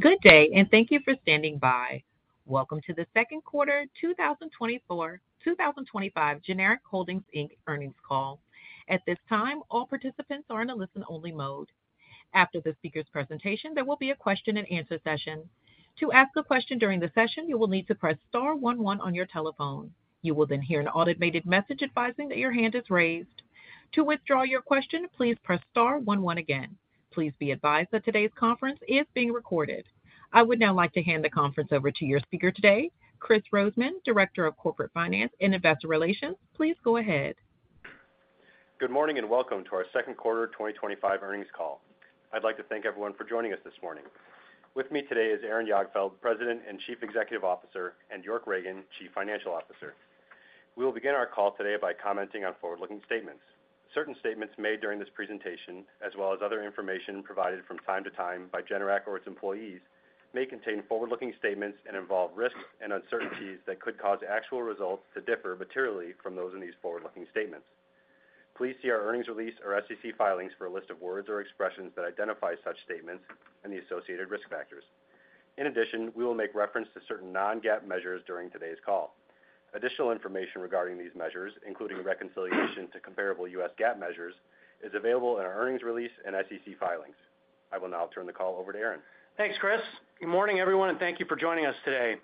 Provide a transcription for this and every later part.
Good day and thank you for standing by. Welcome to the second quarter 2024-2025 Generac Holdings Inc Earnings Call. At this time all participants are in a listen-only mode. After the speaker's presentation, there will be a question and answer session. To ask a question during the session, you will need to press star one one on your telephone. You will then hear an automated message advising that your hand is raised. To withdraw your question, please press star one one again. Please be advised that today's conference is being recorded. I would now like to hand the conference over to your speaker today, Kris Rosemann, Director of Corporate Finance and Investor Relations. Please go ahead. Good morning and welcome to our second quarter 2025 earnings call. I'd like to thank everyone for joining us this morning. With me today is Aaron Jagdfeld, President and Chief Executive Officer, and York Ragen, Chief Financial Officer. We will begin our call today by commenting on forward looking statements. Certain statements made during this presentation as well as other information provided from time to time by Generac or its employees may contain forward looking statements and involve risks and uncertainties that could cause actual results to differ materially from those in these forward looking statements. Please see our Earnings Release or SEC filings for a list of words or expressions that identify such statements and the associated risk factors. In addition, we will make reference to certain non-GAAP measures during today's call. Additional information regarding these measures, including reconciliation to comparable U.S. GAAP measures, is available in our Earnings Release and SEC filings. I will now turn the call over to Aaron. Thanks, Chris. Good morning, everyone, and thank you for joining us today.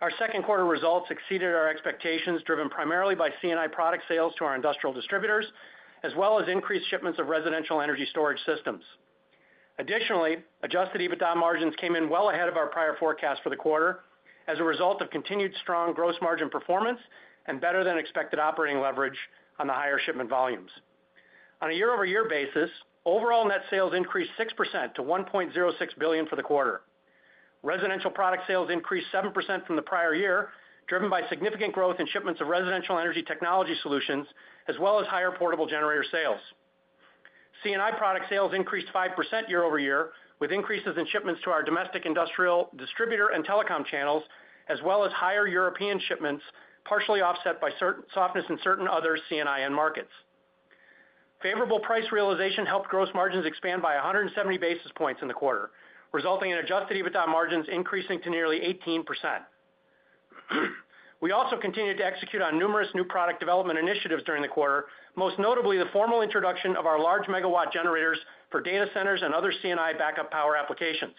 Our second quarter results exceeded our expectations, driven primarily by C&I Product Sales to our industrial distributors as well as increased shipments of Residential Energy storage systems. Additionally, adjusted EBITDA Margins came in well ahead of our prior forecast for the quarter as a result of continued strong gross margin performance and better than expected operating leverage on the higher shipment volumes. On a year-over-year basis, overall net sales increased 6% to $1.06 billion for the quarter. Residential product sales increased 7% from the prior year, driven by significant growth in shipments of Residential Energy Technology Solutions as well as higher Portable Generator sales. C&I Product sales increased 5% year-over-year with increases in shipments to our domestic industrial, distributor, and telecom channels as well as higher European shipments, partially offset by softness in certain other C&I Markets. Favorable price realization helped gross margins expand by 170 basis points in the quarter, resulting in adjusted EBITDA Margins increasing to nearly 18%. We also continued to execute on numerous new product development initiatives during the quarter, most notably the formal introduction of our Large MW Generators for Data Centers and other C&I Backup Power Applications.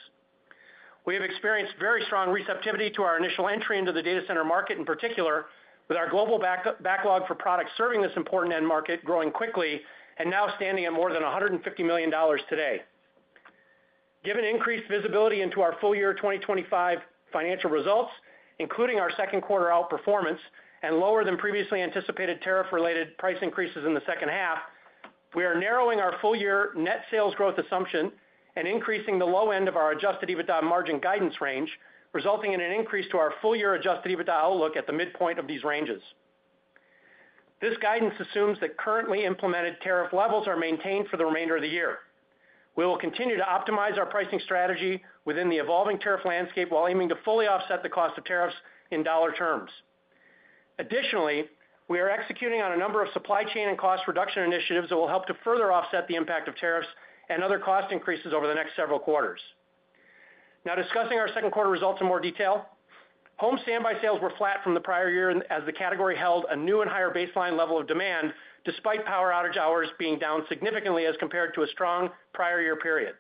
We have experienced very strong receptivity to our initial entry into the Data Center market, in particular with our global backlog for products serving this important end market growing quickly and now standing at more than $150 million today. Given increased visibility into our full year 2025 financial results, including our second quarter outperformance and lower than previously anticipated tariff related price increases in the second half, we are narrowing our full year net sales growth assumption and increasing the low end of our adjusted EBITDA Margin guidance range, resulting in an increase to our full year adjusted EBITDA Outlook at the midpoint of these ranges. This guidance assumes that currently implemented tariff levels are maintained for the remainder of the year. We will continue to optimize our pricing strategy within the evolving tariff landscape while aiming to fully offset the cost of tariffs in dollar terms. Additionally, we are executing on a number of supply chain and cost reduction initiatives that will help to further offset the impact of tariffs and other cost increases over the next several quarters. Now discussing our second quarter results in more detail, Home Standby sales were flat from the prior year as the category held a new and higher baseline level of demand despite power outage hours being down significantly as compared to a strong prior year period.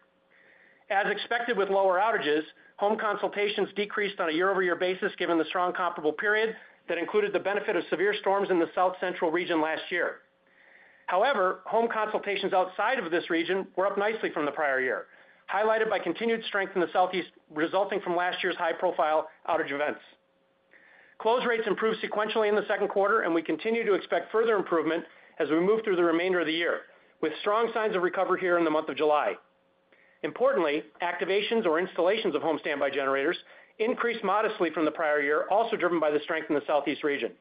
As expected with lower outages, home consultations decreased on a year-over-year basis given the strong comparable period that included the benefit of severe storms in the South Central Region last year. However, home consultations outside of this region were up nicely from the prior year, highlighted by continued strength in the Southeast resulting from last year's high-profile outage events. Close rates improved sequentially in the second quarter and we continue to expect further improvement as we move through the remainder of the year with strong signs of recovery here in the month of July. Importantly, activations or installations of Home Standby Generators increased modestly from the prior year, also driven by the strength in the Southeast Region.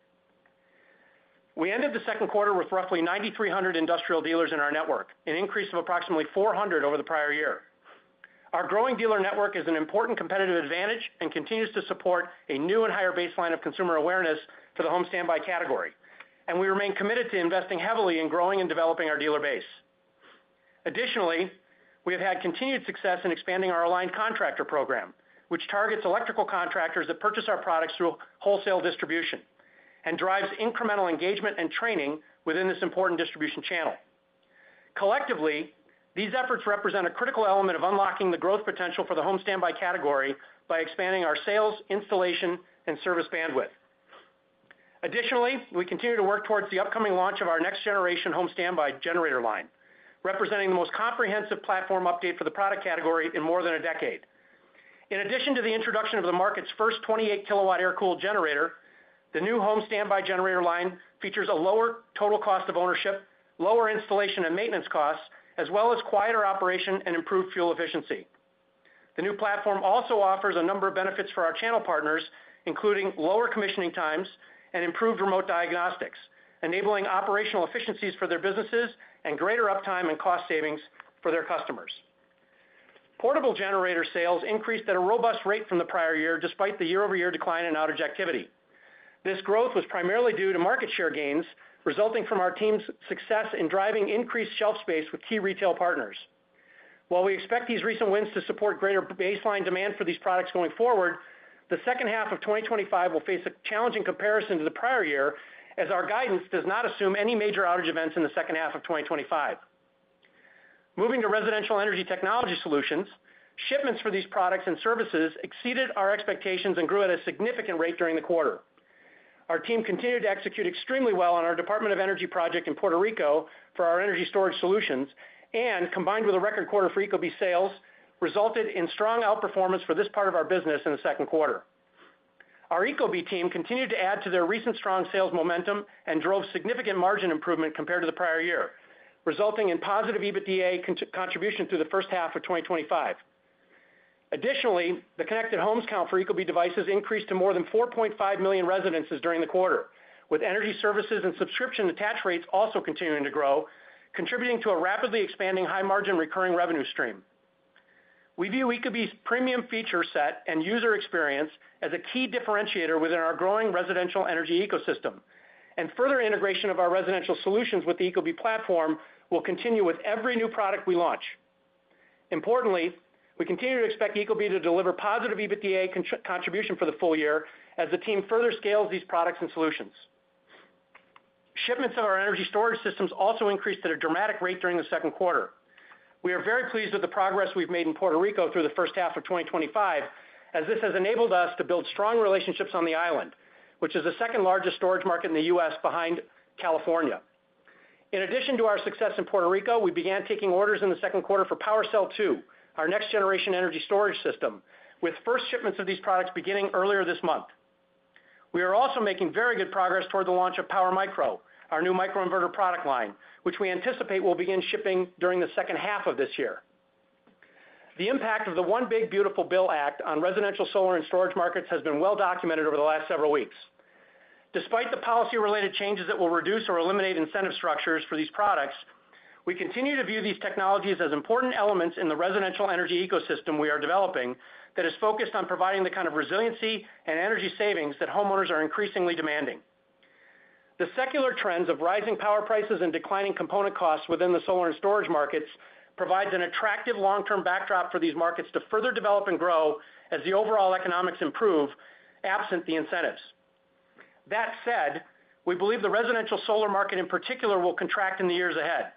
We ended the second quarter with roughly 9,300 industrial dealers in our network, an increase of approximately 400 over the prior year. Our growing dealer network is an important competitive advantage and continues to support a new and higher baseline of consumer awareness for the Home Standby category, and we remain committed to investing heavily in growing and developing our dealer base. Additionally, we have had continued success in expanding our Aligned Contractor Program, which targets electrical contractors that purchase our products through wholesale distribution and drives incremental engagement and training within this important distribution channel. Collectively, these efforts represent a critical element of unlocking the growth potential for the Home Standby category by expanding our sales, installation and service bandwidth. Additionally, we continue to work towards the upcoming launch of our next generation Home Standby Generator line, representing the most comprehensive platform update for the product category in more than a decade. In addition to the introduction of the market's first 28 kW Air Cooled Generator, the new Home Standby Generator line features a lower total cost of ownership, lower installation and maintenance costs, as well as quieter operation and improved fuel efficiency. The new platform also offers a number of benefits for our channel partners including lower commissioning times and improved remote diagnostics, enabling operational efficiencies for their businesses and greater uptime and cost savings for their customers. Portable Generator sales increased at a robust rate from the prior year despite the year-over-year decline in outage activity. This growth was primarily due to market share gains resulting from our team's success in driving increased shelf space with key retail partners. While we expect these recent wins to support greater baseline demand for these products going forward, the second half of 2025 will face a challenging comparison to the prior year as our guidance does not assume any major outage events in the second half of 2025. Moving to Residential Energy Technology Solutions, shipments for these products and services exceeded our expectations and grew at a significant rate during the quarter. Our team continued to execute extremely well on our Department of Energy project in Puerto Rico for our energy storage solutions and, combined with a record quarter for ecobee sales, resulted in strong outperformance for this part of our business. In the second quarter, our ecobee team continued to add to their recent strong sales momentum and drove significant margin improvement compared to the prior year, resulting in positive EBITDA contribution through the first half of 2025. Additionally, the connected homes count for ecobee devices increased to more than 4.5 million residences during the quarter, with energy services and subscription attach rates also continuing to grow, contributing to a rapidly expanding high margin recurring revenue stream. We view ecobee's premium feature set and user experience as a key differentiator within our growing Residential Energy Ecosystem and further integration of our residential solutions with the ecobee platform will continue with every new product we launch. Importantly, we continue to expect ecobee to deliver positive EBITDA contribution for the full year as the team further scales these products and solutions. Shipments of our energy storage systems also increased at a dramatic rate during the second quarter. We are very pleased with the progress we've made in Puerto Rico through the first half of 2025 and as this has enabled us to build strong relationships on the island, which is the second largest storage market in the U.S. behind California. In addition to our success in Puerto Rico, we began taking orders in the second quarter for PWRcell 2 2, our next generation energy storage system, with first shipments of these products beginning earlier this month. We are also making very good progress toward the launch of PWRmicro, our new microinverter product line which we anticipate will begin shipping during the second half of this year. The impact of the One Big Beautiful Bill Act on Residential, Solar and Storage Markets has been well documented over the last several weeks. Despite the policy related changes that will reduce or eliminate incentive structures for these products, we continue to view these technologies as important elements in the Residential Energy Ecosystem we are developing that is focused on providing the kind of resiliency and energy savings that homeowners are increasingly demanding. The secular trends of rising power prices and declining component costs within the solar and storage markets provides an attractive long term backdrop for these markets to further develop and grow as the overall economics improve absent the incentives. That said, we believe the residential solar market in particular will contract in the years ahead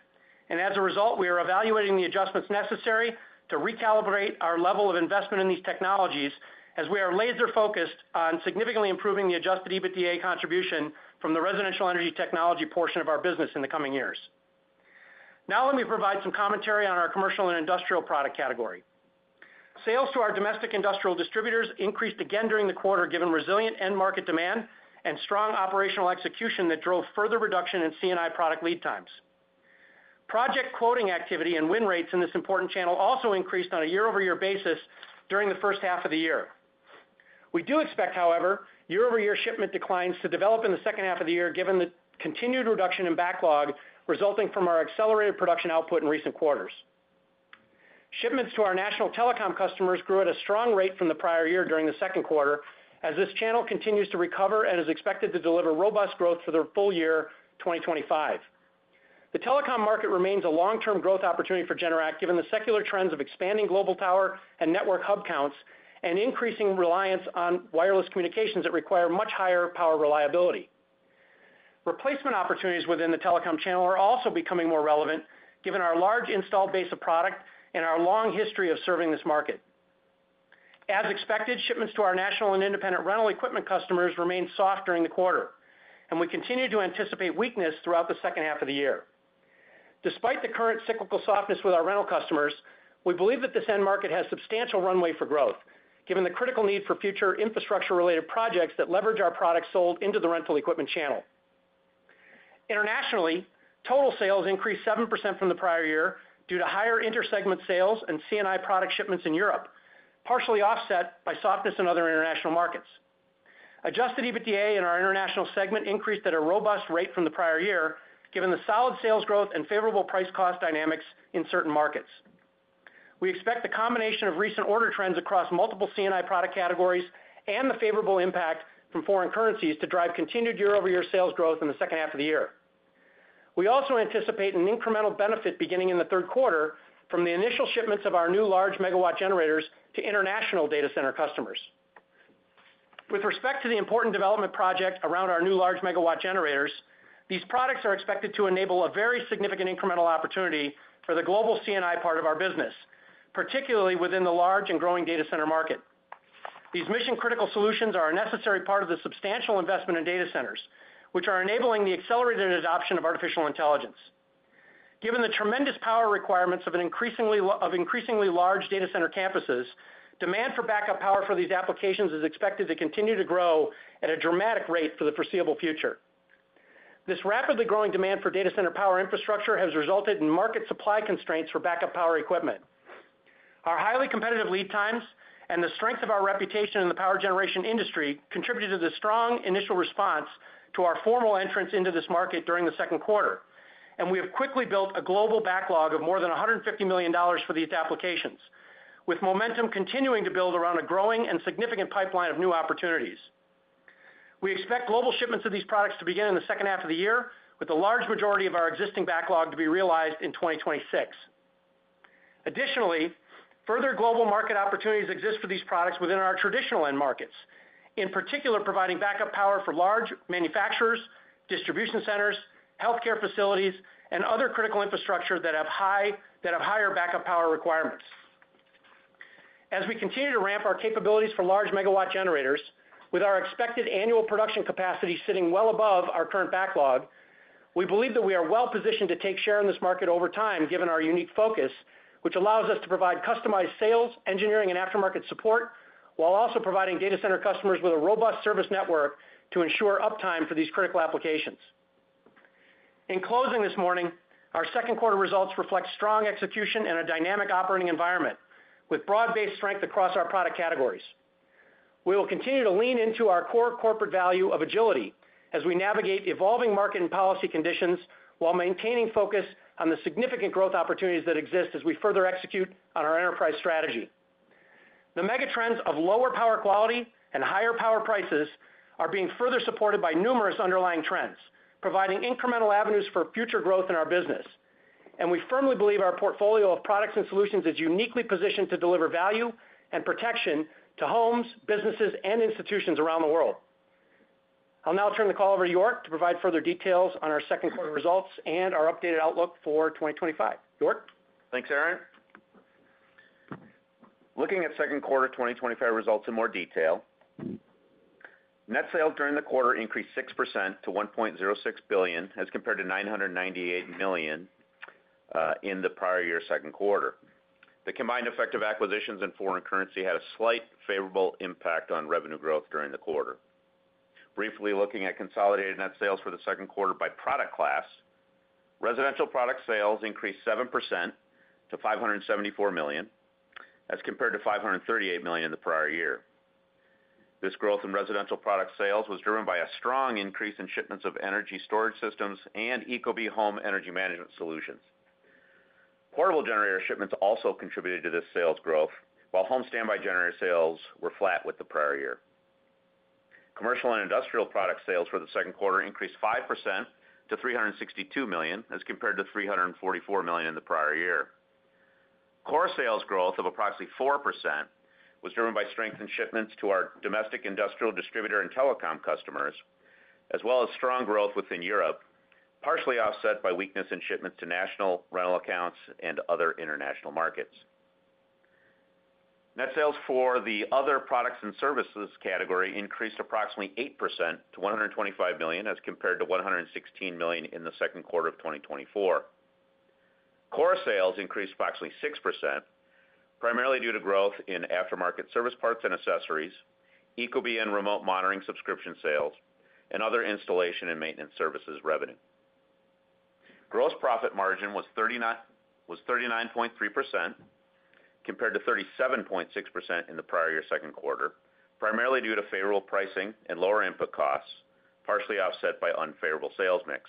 and as a result we are evaluating the adjustments necessary to recalibrate our level of investment in these technologies as we are laser focused on significantly improving the adjusted EBITDA contribution from the Residential Energy Technology portion of our business in the coming years. Now let me provide some commentary on our commercial and industrial product category. Sales to our domestic industrial distributors increased again during the quarter given resilient end market demand and strong operational execution that drove further reduction in C&I Product lead times, project quoting activity and win rates in this important channel also increased on a year-over-year basis during the first half of the year. We do expect however year-over-year shipment declines to develop in the second half of the year given the continued reduction in backlog resulting from our accelerated production output in recent quarters. Shipments to our national telecom customers grew at a strong rate from the prior year during the second quarter as this channel continues to recover and is expected to deliver robust growth for the full year 2025. The Telecom Market remains a long term growth opportunity for Generac given the secular trends of expanding global tower and network hub counts and increasing reliance on wireless communications that require much higher power reliability. Replacement opportunities within the telecom channel are also becoming more relevant given our large installed base of product and our long history of serving this market. As expected, shipments to our national and independent rental equipment customers remained soft during the quarter and we continue to anticipate weakness throughout the second half of the year despite the current cyclical softness with our rental customers. We believe that this end market has substantial runway for growth given the critical need for future infrastructure related projects that leverage our products sold into the rental equipment channel. Internationally, total sales increased 7% from the prior year due to higher intersegment sales and C&I Product shipments in Europe, partially offset by softness in other international markets. Adjusted EBITDA in our international segment increased at a robust rate from the prior year. Given the solid sales growth and favorable price cost dynamics in certain markets, we expect the combination of recent order trends across multiple C&I Product categories and the favorable impact from foreign currencies to drive continued year-over-year sales growth in the second half of the year. We also anticipate an incremental benefit beginning in the third quarter from the initial shipments of our new Large MW Generators to international Data Center customers. With respect to the important development project around our new Large MW Generators, these products are expected to enable a very significant incremental opportunity for the global C&I part of our business, particularly within the large and growing Data Center market. These mission critical solutions are a necessary part of the substantial investment in Data Centers which are enabling the accelerated adoption of artificial intelligence. Given the tremendous power requirements of increasingly large Data Center campuses, demand for backup power for these applications is expected to continue to grow at a dramatic rate for the foreseeable future. This rapidly growing demand for Data Center power infrastructure has resulted in market supply constraints for backup power equipment. Our highly competitive lead times and the strength of our reputation in the power generation industry contributed to the strong initial response to our formal entrance into this market during the second quarter, and we have quickly built a global backlog of more than $150 million for these applications. With momentum continuing to build around a growing and significant pipeline of new opportunities, we expect global shipments of these products to begin in the second half of the year, with the large majority of our existing backlog to be realized in 2026. Additionally, further global market opportunities exist for these products within our traditional end markets, in particular providing backup power for large manufacturers, distribution centers, healthcare facilities and other critical infrastructure that have higher backup power requirements as we continue to ramp our capabilities for Large MW Generators. With our expected annual production capacity sitting well above our current backlog, we believe that we are well positioned to take share in this market over time given our unique focus, which allows us to provide customized sales, engineering and aftermarket support while also providing Data Center customers with a Robust Service Network to ensure uptime for these critical applications. In closing this morning, our second quarter results reflect strong execution and a dynamic operating environment with broad based strength across our product categories. We will continue to lean into our core corporate value of agility as we navigate evolving market and policy conditions while maintaining focus on the significant growth opportunities that exist as we further execute on our enterprise strategy. The megatrends of lower power quality and higher power prices are being further supported by numerous underlying trends providing incremental avenues for future growth in our business, and we firmly believe our portfolio of products and solutions is uniquely positioned to deliver value and protection to homes, businesses and institutions around the world. I'll now turn the call over to York to provide further details on our second quarter results and our updated outlook for 2025. York. Thanks Aaron. Looking at second quarter 2025 results in more detail, net sales during the quarter increased 6% to $1.06 billion as compared to $998 million in the prior year. Second quarter the combined effect of acquisitions and foreign currency had a slight favorable impact on revenue growth during the quarter. Briefly looking at consolidated net sales for the second quarter by product class, residential product sales increased 7% to $574 million as compared to $538 million in the prior year. This growth in residential product sales was driven by a strong increase in shipments of energy storage systems and ecobee home energy management solutions. Portable Generator shipments also contributed to this sales growth, while Home Standby Generator sales were flat with the prior year. Commercial and industrial product sales for the second quarter increased 5% to $362 million as compared to $344 million in the prior year. Core sales growth of approximately 4% was driven by strength in shipments to our domestic industrial, distributor and Telecom customers as well as strong growth within Europe, partially offset by weakness in shipments to national rental accounts and other international markets. Net sales for the other products and services category increased approximately 8% to $125 million as compared to $116 million in the second quarter of 2024. Core sales increased approximately 6% primarily due to growth in aftermarket service, parts and accessories, ecobee and remote monitoring, subscription sales and other installation and maintenance services. Gross Profit Margin was 39.3% compared to 37.6% in the prior year second quarter, primarily due to favorable pricing and lower input costs, partially offset by unfavorable sales mix.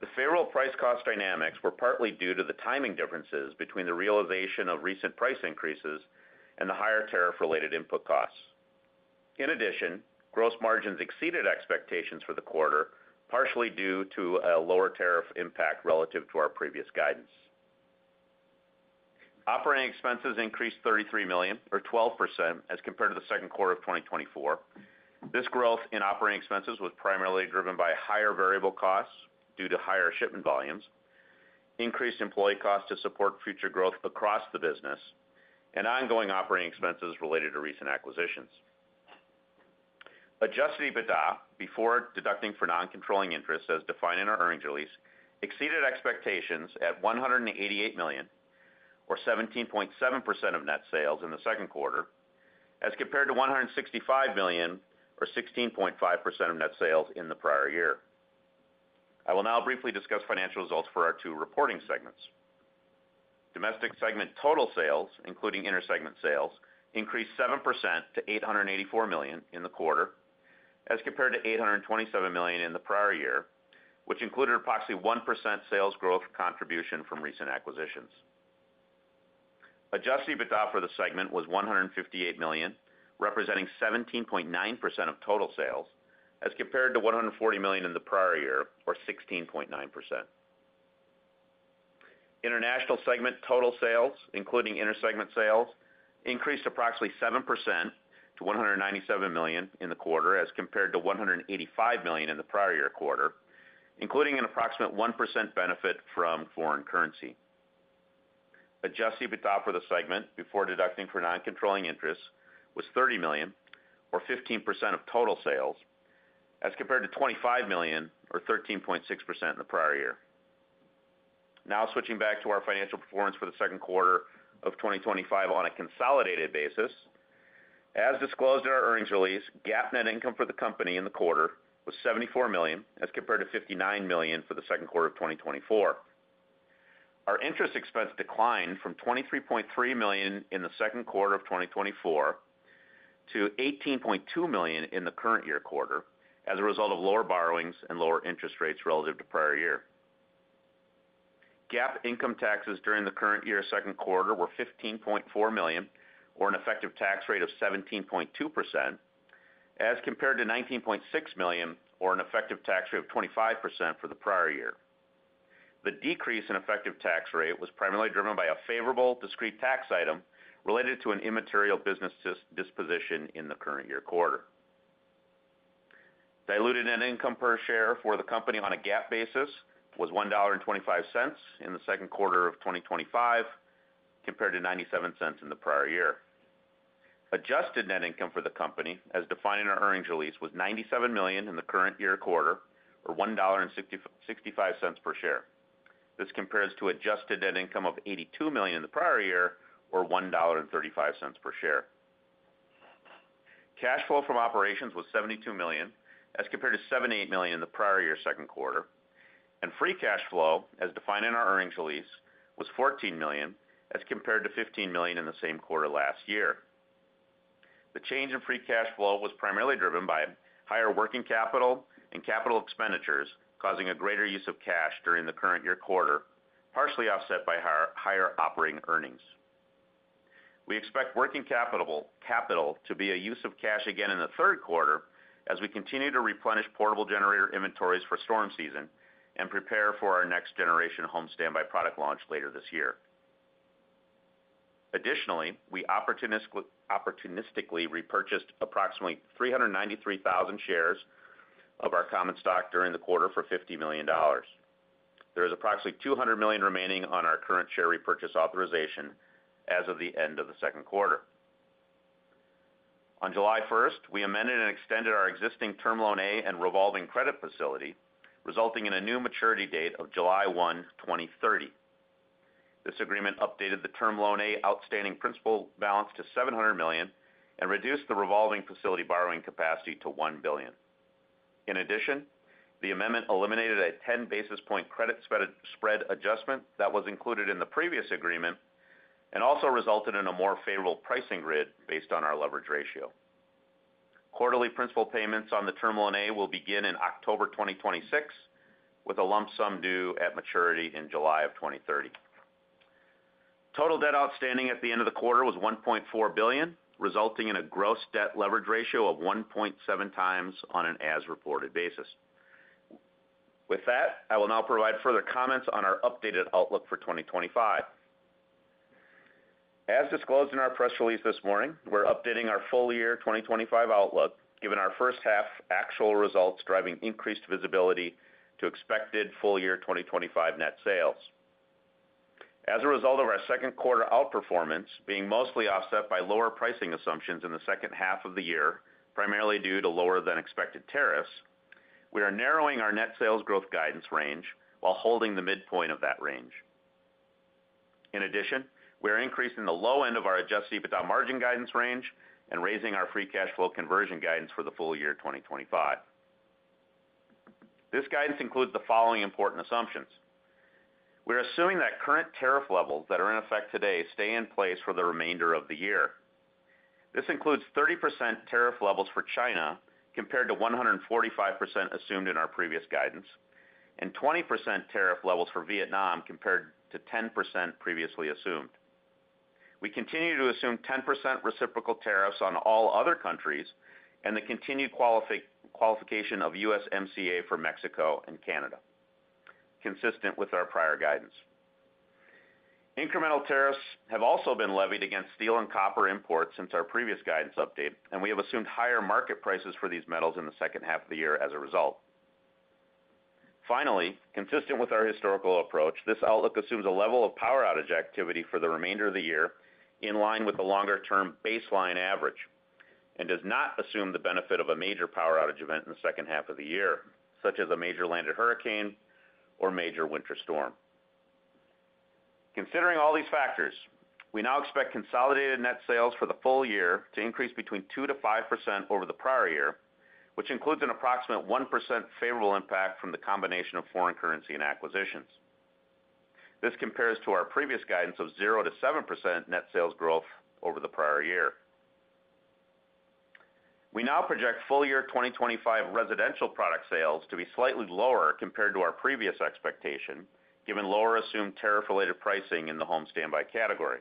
The favorable price cost dynamics were partly due to the timing differences between the realization of recent price increases and the higher tariff related input costs. In addition, gross margins exceeded expectations for the quarter, partially due to a lower tariff impact relative to our previous guidance. Operating Expenses increased $33 million or 12% as compared to the second quarter of 2024. This growth in operating expenses was primarily driven by higher Variable Costs due to higher shipment volumes, increased employee costs to support future growth across the business, and ongoing operating expenses related to recent acquisitions. Adjusted EBITDA before deducting for non controlling interest as defined in our earnings release exceeded expectations at $188 million or 17.7% of net sales in the second quarter as compared to $165 million or 16.5% of net sales in the prior year. I will now briefly discuss financial results for our two reporting segments. Domestic segment total sales, including intersegment sales, increased 7% to $884 million in the quarter as compared to $827 million in the prior year, which included approximately 1% sales growth contribution from recent acquisitions. Adjusted EBITDA for the segment was $158 million, representing 17.9% of total sales as compared to $140 million in the prior year or 16.9%. International segment total sales, including intersegment sales, increased approximately 7% to $197 million in the quarter as compared to $185 million in the prior year quarter, including an approximate 1% benefit from foreign currency. Adjusted EBITDA for the segment before deducting for non controlling interest was $30 million or 15% of total sales as compared to $25 million or 13.6% in the prior year. Now switching back to our financial performance for the second quarter of 2025 on a consolidated basis. As disclosed in our earnings release, GAAP net income for the company in the quarter was $74 million as compared to $59 million for the second quarter of 2024. Our interest expense declined from $23.3 million in the second quarter of 2024 to $18.2 million in the current year quarter as a result of lower borrowings and lower interest rates relative to prior year. GAAP Income Taxes during the current year second quarter were $15.4 million or an effective tax rate of 17.2% as compared to $19.6 million, or an effective tax rate of 25% for the prior year. The decrease in effective tax rate was primarily driven by a favorable discrete tax item related to an immaterial business disposition in the current year quarter. Diluted net income per share for the company on a GAAP basis was $1.25 in the second quarter of 2025 compared to $0.97 in the prior year. Adjusted net income for the company as defined in our earnings release was $97 million in the current year quarter or $1.65 per share. This compares to adjusted net income of $82 million in the prior year or $1.35 per share. Cash flow from operations was $72 million as compared to $78 million in the prior year second quarter and free cash flow as defined in our earnings release was $14 million as compared to $15 million in the same quarter last year. The change in free cash flow was primarily driven by capital expenditures causing a greater use of cash during the current year quarter, partially offset by higher operating earnings. We expect working capital to be a use of cash again in the third quarter as we continue to replenish Portable Generator inventories for storm season and prepare for our next generation Home Standby product launch later this year. Additionally, we opportunistically repurchased approximately 3,393,000 shares of our common stock during the quarter for $50 million. There is approximately $200 million remaining on our current share repurchase authorization as of the end of the second quarter. On July 1, we amended and extended our existing Term Loan A and Revolving Credit Facility, resulting in a new maturity date of July 1, 2030. This agreement updated the Term Loan A outstanding principal balance to $700 million and reduced the revolving facility borrowing capacity to $1 billion. In addition, the amendment eliminated a 10 basis point credit spread adjustment that was included in the previous agreement and also resulted in a more favorable pricing grid based on our leverage ratio. Quarterly principal payments on the Term Loan A will begin in October 2026 with a lump sum due at maturity in July of 2030. Total debt outstanding at the end of the quarter was $1.4 billion, resulting in a gross debt leverage ratio of 1.7 times on an as reported basis. With that, I will now provide further comments on our updated outlook for 2025. As disclosed in our press release this morning, we're updating our full year 2025 outlook. Given our first half actual results driving increased visibility to expected full year 2025 net sales as a result of our second quarter outperformance being mostly offset by lower pricing assumptions in the second half of the year, primarily due to lower than expected tariffs, we are narrowing our net sales growth guidance range while holding the midpoint of that range. In addition, we are increasing the low end of our adjusted EBITDA Margin guidance range and raising our Free Cash Flow conversion guidance for the full year 2025. This guidance includes the following important assumptions. We're assuming that current tariff levels that are in effect today stay in place for the remainder of the year. This includes 30% tariff levels for China compared to 145% assumed in our previous Guidance and 20% tariff levels for Vietnam compared to 10% previously assumed. We continue to assume 10% reciprocal tariffs on all other countries and the continued qualification of USMCA for Mexico and Canada, consistent with our prior Guidance. Incremental tariffs have also been levied against steel and copper imports since our previous guidance update, and we have assumed higher market prices for these metals in the second half of the year as a result. Finally, consistent with our historical approach, this outlook assumes a level of power outage activity for the remainder of the year in line with the longer term baseline average and does not assume the benefit of a major power outage event in the second half of the year such as a major landed hurricane or major winter storm. Considering all these factors, we now expect consolidated net sales for the full year to increase between 2-5% over the prior year, which includes an approximate 1% favorable impact from the combination of foreign currency and acquisitions. This compares to our previous guidance of 0-7% net sales growth over the prior year. We now project full year 2025 Residential Product sales to be slightly lower compared to our previous expectation given lower assumed tariff related pricing in the Home Standby category.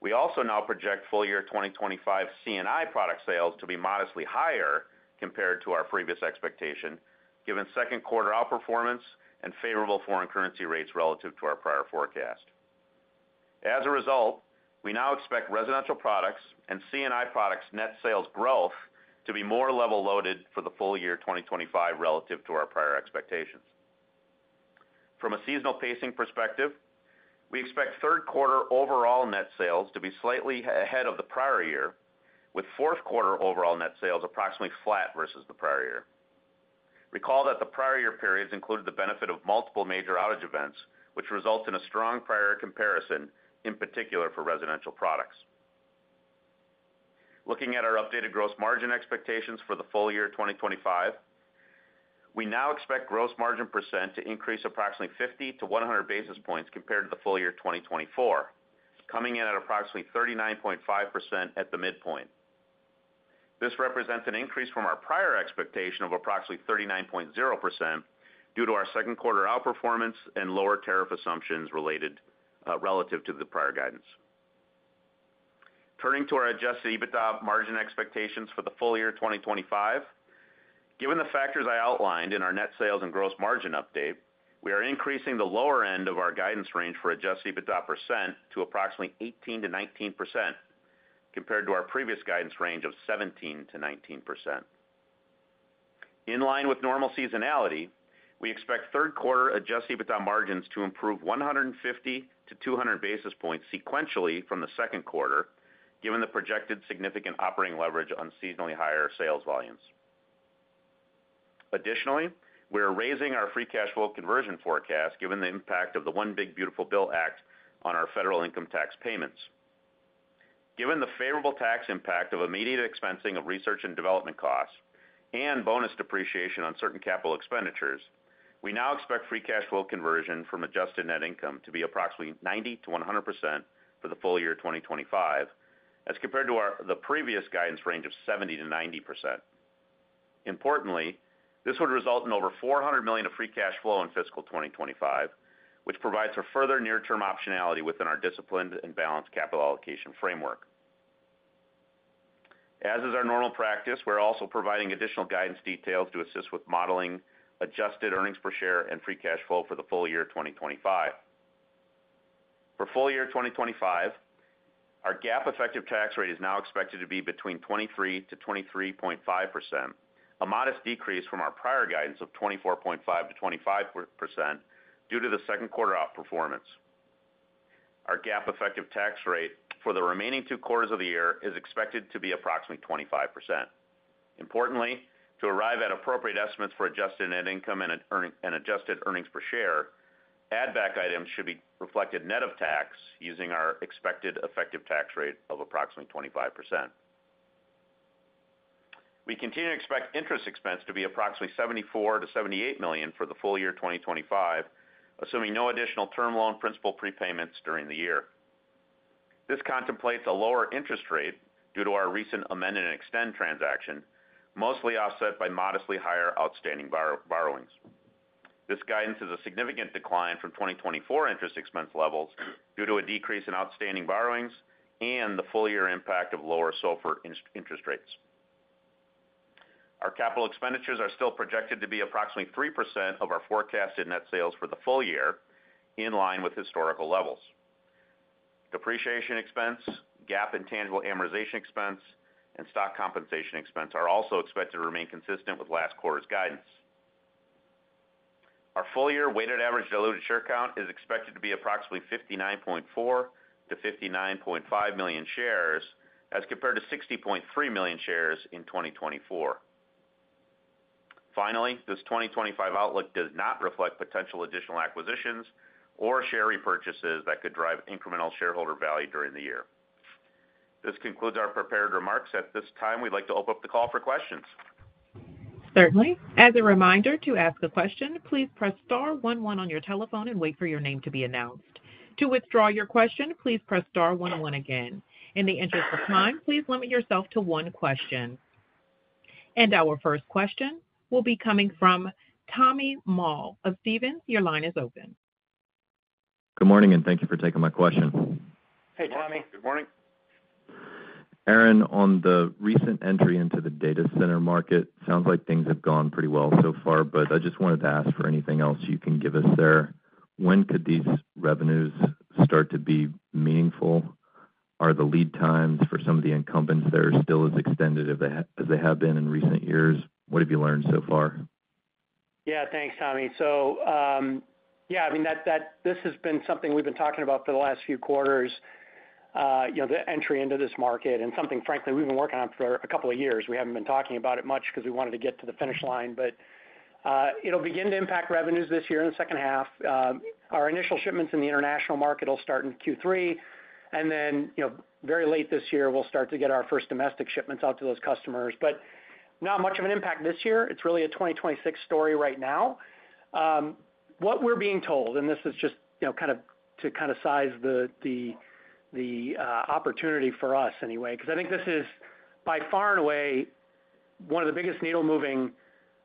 We also now project full year 2025 C&I Product sales to be modestly higher compared to our previous expectation given second quarter outperformance and favorable foreign currency rates relative to our prior forecast. As a result, we now expect residential products and C&I Products net sales growth to be more level loaded for the full year 2025 relative to our prior expectations. From a seasonal pacing perspective, we expect third quarter overall net sales to be slightly ahead of the prior year with fourth quarter overall net sales approximately flat versus the prior year. Recall that the prior year periods included the benefit of multiple major outage events, which results in a strong prior year comparison, in particular for residential products. Looking at our updated gross margin expectations for the full year 2025, we now expect gross margin percent to increase approximately 50 to 100 basis points compared to the full year 2024, coming in at approximately 39.5% at the midpoint. This represents an increase from our prior expectation of approximately 39.0% due to our second quarter outperformance and lower tariff assumptions relative to the prior guidance. Turning to our adjusted EBITDA Margin expectations for the full year 2025, given the factors I outlined in our Net Sales and Gross Margin update, we are increasing the lower end of our guidance range for adjusted EBITDA percent to approximately 18-19% compared to our previous guidance range of 17-19%. In line with normal seasonality, we expect third quarter adjusted EBITDA Margins to improve 150 to 200 basis points sequentially from the second quarter given the projected significant operating leverage on seasonally higher sales volumes. Additionally, we are raising our free cash flow conversion forecast given the impact of the One Big Beautiful Bill act on our Federal income tax payments. Given the favorable tax impact of immediate expensing of research and development costs and bonus depreciation on certain capital expenditures, we now expect free cash flow conversion from adjusted net income to be approximately 90-100% for the full year 2025 as compared to the previous guidance range of 70-90%. Importantly, this would result in over $400 million of Free Cash Flow in Fiscal 2025, which provides for further near term optionality within our disciplined and balanced capital allocation framework. As is our normal practice, we're also providing additional guidance details to assist with modeling adjusted earnings per share and free cash flow for the full year 2025. For full year 2025, our GAAP effective tax rate is now expected to be between 23-23.5%, a modest decrease from our prior guidance of 24.5-25%. Due to the second quarter outperformance, our GAAP effective tax rate for the remaining two quarters of the year is expected to be approximately 25%. Importantly, to arrive at appropriate estimates for adjusted net income and adjusted earnings per share, add back items should be reflected net of tax using our expected effective tax rate of approximately 25%. We continue to expect interest expense to be approximately $74-$78 million for the full year 2025 assuming no additional term loan principal prepayments during the year. This contemplates a lower interest rate due to our recent amendment and extend transaction, mostly offset by modestly higher outstanding borrowings. This guidance is a significant decline from 2024 interest expense levels due to a decrease in outstanding borrowings and the full year impact of lower SOFR Interest Rates. Our capital expenditures are still projected to be approximately 3% of our forecasted net sales for the full year in line with historical levels. Depreciation Expense, GAAP and Tangible Amortization Expense and Stock Compensation Expense are also expected to remain consistent with last quarter's guidance. Our full year weighted average diluted share count is expected to be approximately 59.4-59.5 million shares as compared to 60.3 million shares in 2024. Finally, this 2025 outlook does not reflect potential additional acquisitions or share repurchases that could drive incremental shareholder value during the year. This concludes our prepared remarks. At this time, we'd like to open up the call for questions. Certainly. As a reminder to ask a question, please press star one one on your telephone and wait for your name to be announced. To withdraw your question, please press star one one gain, in the interest of time, please limit yourself to one question. Our first question will be coming from Tommy Moll of Stephens. Your line is open. Good morning and thank you for taking my question. Hey, Tommy Good morning. Aaron. On the recent entry into the Data Center Market, sounds like things have gone pretty well so far, but I just wanted to ask for anything else you can give us there. When could these revenues start to be meaningful? Are the lead times for some of the incumbents still as extended as they have been in recent years? What have you learned so far? Yeah, thanks, Tommy. Yeah, I mean, this has been something we've been talking about for the last few quarters, you know, the entry into this market and something frankly we've been working on for a couple of years. We haven't been talking about it much because we wanted to get to the finish line, but it'll begin to impact revenues this year in the second half. Our initial shipments in the International Market will start in Q3, and then very late this year we'll start to get our first domestic shipments out to those customers, but not much of an impact this year. It's really a 2026 story right now, what we're being told. This is just kind of to kind of size the opportunity for us anyway, because I think this is by far and away one of the biggest needle moving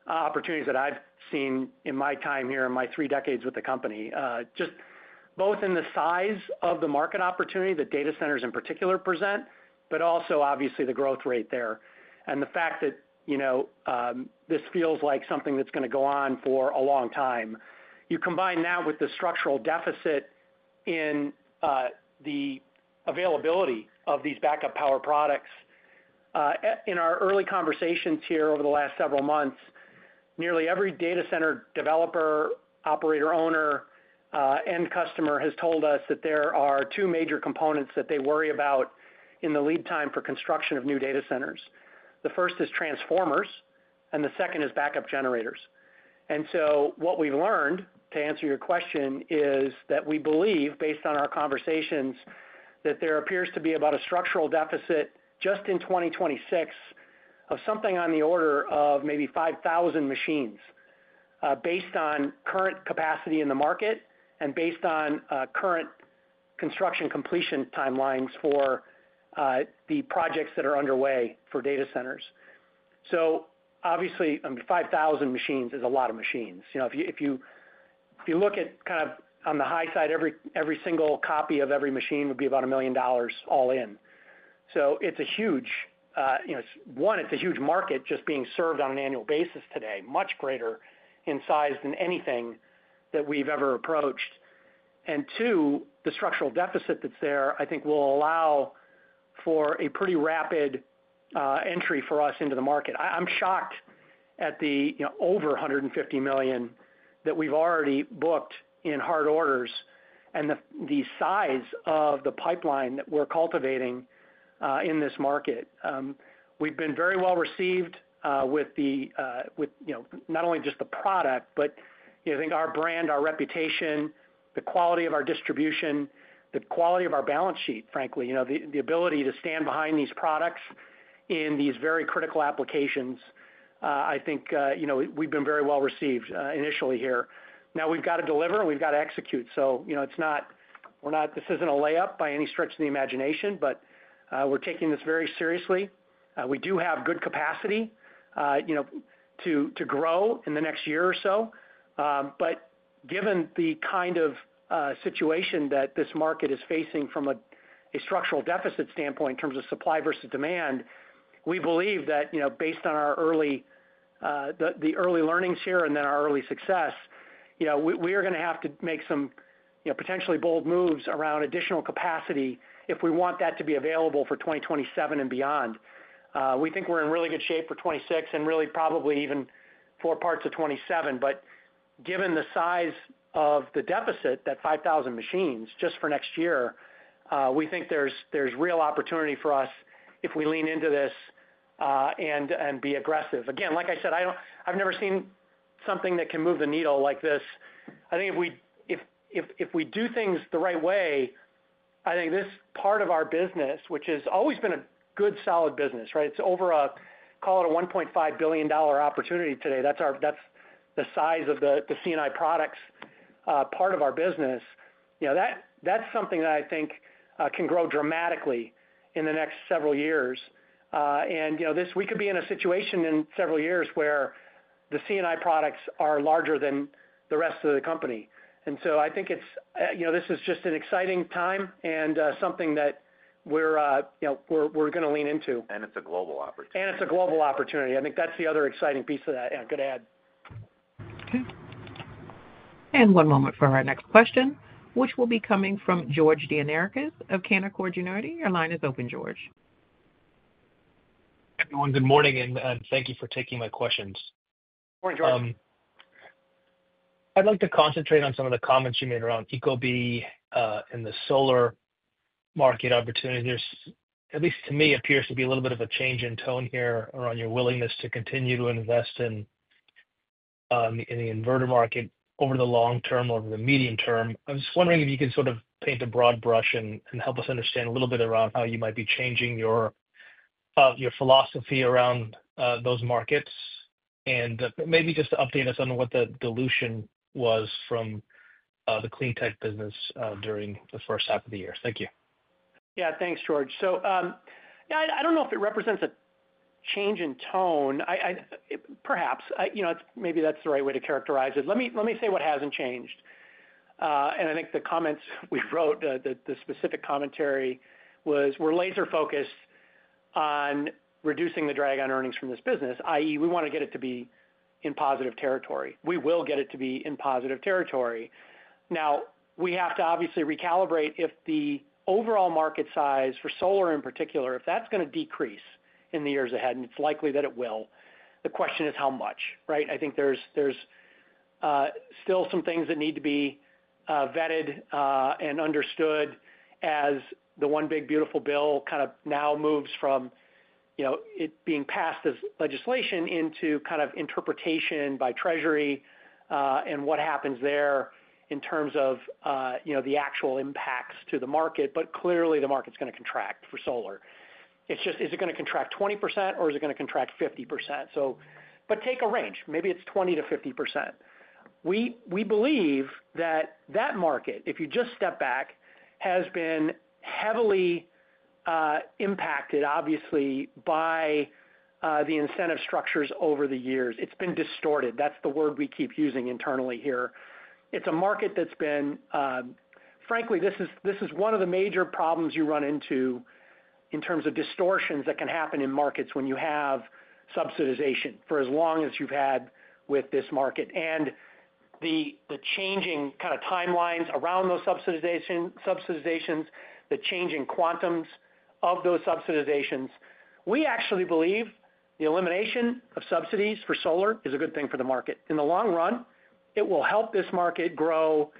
opportunities that I've seen in my time here, in my three decades with the company. Just both in the size of the market opportunity that Data Centers in particular present, but also obviously the growth rate there and the fact that, you know, this feels like something that's going to go on for a long time. You combine that with the structural deficit in the availability of these backup power products. In our early conversations here over the last several months, nearly every Data Center, Developer, Operator, Owner, End Customer has told us that there are two major components that they worry about in the lead time for construction of new Data Centers. The first is Transformers and the second is Backup Generators. What we've learned, to answer your question, is that we believe, based on our conversations, that there appears to be about a structural deficit just in 2026 of something on the order of maybe 5,000 machines based on current capacity in the market and based on current construction completion timelines for the projects that are underway for Data Centers. Obviously, 5,000 machines is a lot of machines. If you look at kind of on the high side, every single copy of every machine would be about a million dollars all in. It's a huge one, it's a huge market just being served on an annual basis today, much greater in size than anything that we've ever approached. The structural deficit that's there, I think, will allow for a pretty rapid entry for us into the market. I'm shocked at the over $150 million that we've already booked in hard orders and the size of the pipeline that we're cultivating in this market. We've been very well received with not only just the product, but I think our brand, our reputation, the quality of our distribution, the quality of our balance sheet, frankly, the ability to stand behind these products in these very critical applications. I think, you know, we've been very well received initially here. Now we've got to deliver and we've got to execute. You know, it's not, we're not. This isn't a layup by any stretch of the imagination, but we're taking this very seriously. We do have good capacity, you know, to grow in the next year or so. Given the kind of situation that this market is facing from a structural deficit standpoint in terms of supply versus demand, we believe that based on our early, the early learnings here and then our early success, we are going to have to make some potentially bold moves around additional capacity if we want that to be available for 2027 and beyond. We think we're in really good shape for 2026 and really probably even for parts of 2027. Given the size of the deficit, that 5,000 machines just for next year, we think there's real opportunity for us if we lean into this and be aggressive again. Like I said, I've never seen something that can move the needle like this. I think if we do things the right way, I think this part of our business, which has always been a good, solid business, right, it's over a, call it a $1.5 billion opportunity today. That's the size of the C&I Products part of our business. You know, that's something that I think can grow dramatically in the next several years. You know, we could be in a situation in several years where the C&I Products are larger than the rest of the company. I think it's, you know, this is just an exciting time and something that we're, you know, we're going to lean into. It is a global opportunity. It is a global opportunity. I think that is the other exciting piece of that. I could add. Okay, and one moment for our next question, which will be coming from George Gianarikas of Canaccord Genuity. Your line is open, George. Good morning and thank you for taking my questions. I'd like to concentrate on some of the comments you made around ecobee and the solar market opportunity. There's at least to me appears to be a little bit of a change in tone here around your willingness to continue to invest in, in the inverter market over the long term, over the medium term. I was wondering if you could sort of paint a broad brush and help us understand a little bit around how you might be changing your philosophy around those markets and maybe just update us on what the dilution was from the Cleantech Business during the first half of the year. Thank you. Yeah, thanks, George. I don't know if it represents a change in tone, perhaps, maybe that's the right way to characterize it. Let me say what hasn't changed. I think the comments we wrote, the specific commentary was we're laser focused on reducing the drag on earnings from this business. That is, we want to get it to be in positive territory. We will get it to be in positive territory. Now we have to obviously recalibrate if the overall market size for solar in particular, if that's going to decrease in the years ahead, and it's likely that it will. The question is how much. Right. I think there's still some things that need to be vetted and understood as the one big beautiful bill kind of now moves from it being passed as legislation into kind of interpretation by Treasury and what happens there in terms of the actual impacts to the market. Clearly the market's going to contract for solar. It's just, is it going to contract 20% or is it going to contract 50%, but take a range, maybe it's 20-50%. We believe that that market, if you just step back, has been heavily impacted obviously by the incentive structures over the years. It's been distorted. That's the word we keep using internally here. It's a market that's been, frankly, this is one of the major problems you run into in terms of distortions that can happen in markets when you have subsidization for as long as you've had with this market and the changing kind of timelines around those subsidizations, the changing quantums of those subsidizations. We actually believe the elimination of subsidies for solar is a good thing for the market in the long run. It will help this market grow,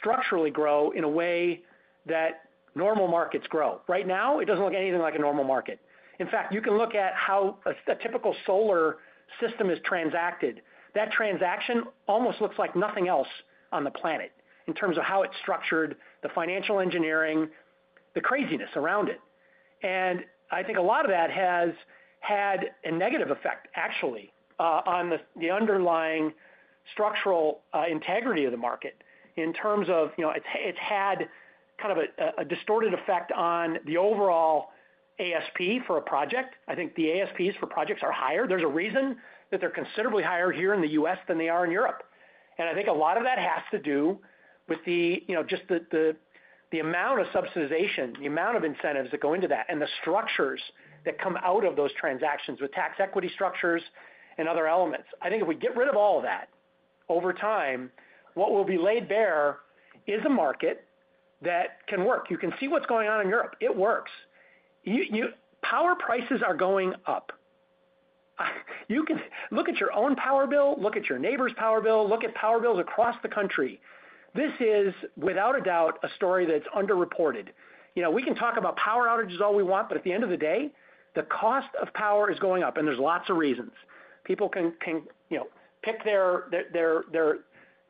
structurally grow in a way that normal markets grow. Right now, it doesn't look anything like a normal market. In fact, you can look at how a typical solar system is transacted. That transaction almost looks like nothing else on the planet in terms of how it's structured, the financial engineering, the craziness around it. I think a lot of that has had a negative effect actually, on the underlying structural integrity of the market in terms of. It's had kind of a distorted effect on the overall ASP for a project. I think the ASPs for projects are higher. There's a reason that they're considerably higher here in the U.S. than they are in Europe. I think a lot of that has to do with the. Just the amount of subsidization, the amount of incentives that go into that, and the structures that come out of those transactions with Tax Equity Structures and other elements. I think if we get rid of all that over time, what will be laid bare is a market that can work. You can see what's going on in Europe. It works. Power prices are going up. Look at your own Power Bill, look at your neighbor's Power Bill. Look at Power Bills across the country. This is without a doubt a story that's under reported. You know, we can talk about power outages all we want, but at the end of the day, the cost of power is going up. There's lots of reasons. People can pick their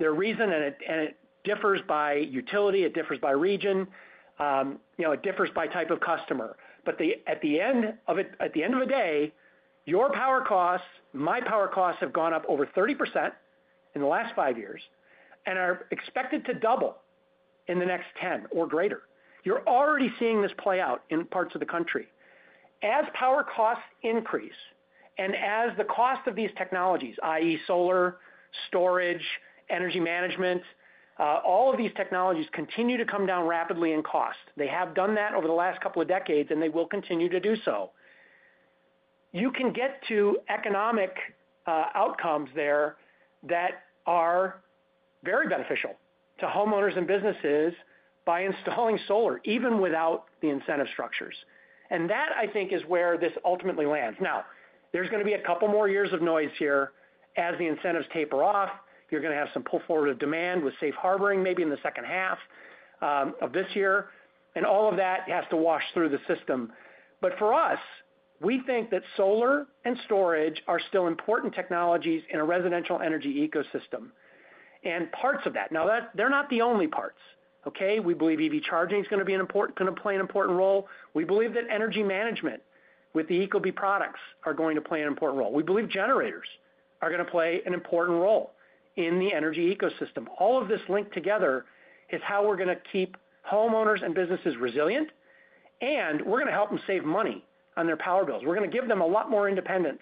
reason. It differs by utility, it differs by region. You know, it differs by type of customer. At the end of the day, your Power Costs. My Power Costs have gone up over 30% in the last five years and are expected to double in the next 10 or greater. You're already seeing this play out in parts of the country as Power Costs increase and as the cost of these technologies, that is Solar, Storage, Energy Management, all of these technologies continue to come down rapidly in cost. They have done that over the last couple of decades, and they will continue to do so. You can get to economic outcomes there that are very beneficial to homeowners and businesses by installing solar, even without the incentive structures. That I think is where this ultimately lands. Now there's going to be a couple more years of noise here. As the incentives taper off, you're going to have some pull forward of demand with safe harboring maybe in the second half of this year. All of that has to wash through the system. For us, we think that solar and storage are still important technologies in a Residential Energy Ecosystem and parts of that. They're not the only parts. Okay. We believe EV Charging is going to be an important, going to play an important role. We believe that energy management with the ecobee products are going to play an important role. We believe Generators are going to play an important role in the energy ecosystem. All of this linked together is how we're going to keep homeowners and businesses resilient. We're going to help them save money on their power bills. We're going to give them a lot more independence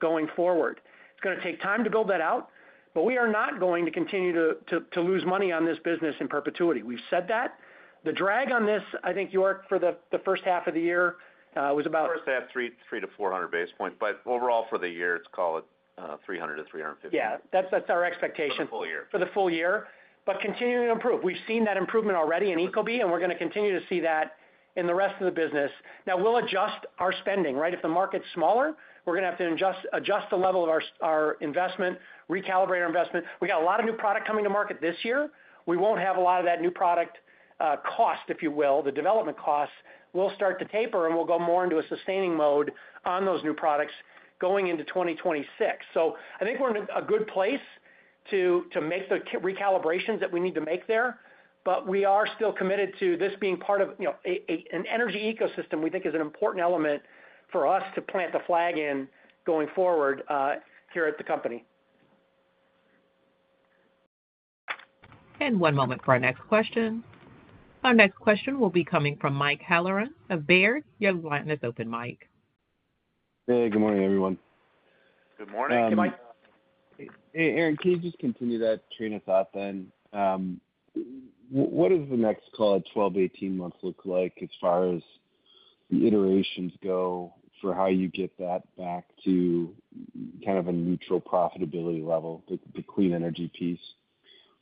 going forward. It's going to take time to build that out. We are not going to continue to lose money on this business in perpetuity. We've said that the drag on this, I think, York, for the first half of the year was about. 300-400 basis points. Overall for the year, let's call it 300-350. Yeah, that's our expectation for the full year. But continuing to improve. We've seen that improvement already in ecobee and we're going to continue to see that in the rest of the business. Now we'll adjust our spending. Right. If the market's smaller, we're going to have to adjust the level of our investment, recalibrate our investment. We got a lot of new product coming to market this year. We won't have a lot of that new product cost, if you will. The development costs will start to taper and we'll go more into a sustaining mode on those new products going into 2026. I think we're in a good place to make the recalibrations that we need to make there. But we are still committed to this being part of an energy ecosystem we think is an important element for us to plant the flag in going forward here at the company. One moment for our next question. Our next question will be coming from Mike Halloran of Baird. Your line is open, Mike. Hey, good morning, everyone. Good morning. Hey, Aaron, can you just continue that train of thought then? What does the next call at 12, 18 months look like as far as the iterations go, for how you get that back to kind of a neutral profitability level, the clean energy piece.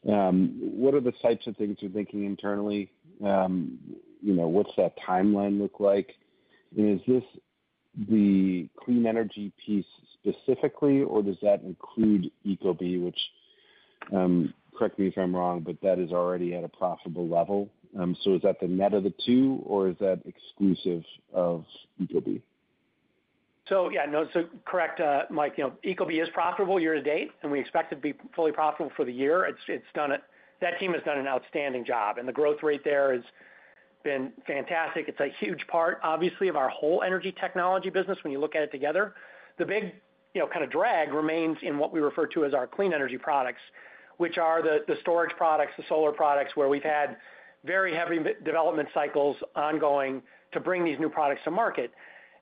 What are the types of things you're thinking internally? You know, what's that timeline look like? Is this the clean energy piece specifically, or does that include ecobee, which, correct me if I'm wrong, but that is already at a profitable level. So is that the net of the two or is that exclusive of ecobee? Yeah, no, correct, Mike. ecobee is profitable year to date and we expect it to be fully profitable for the year. That team has done an outstanding job and the growth rate there has been fantastic. It's a huge part obviously of our whole energy technology business. When you look at it together, the big kind of drag remains in what we refer to as our clean energy products, which are the storage products, the solar products, where we've had very heavy development cycles ongoing to bring these new products to market.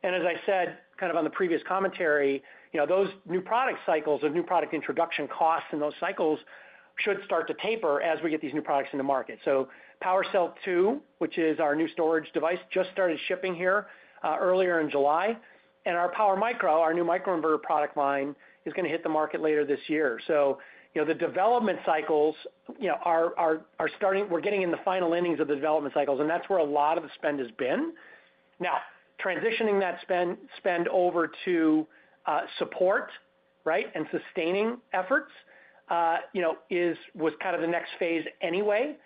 As I said on the previous commentary, those new product cycles of new product introduction, costs in those cycles should start to taper as we get these new products into market. PWRcell 2, which is our new storage device, just started shipping here earlier in July and our PWRmicro, our new Microinverter product line, is going to hit the market later this year. The development cycles are starting. We're getting in the final innings of the development cycles and that's where a lot of the spend has been now, transitioning that spend over to support right. Sustaining efforts, you know, was kind of the next phase anyway.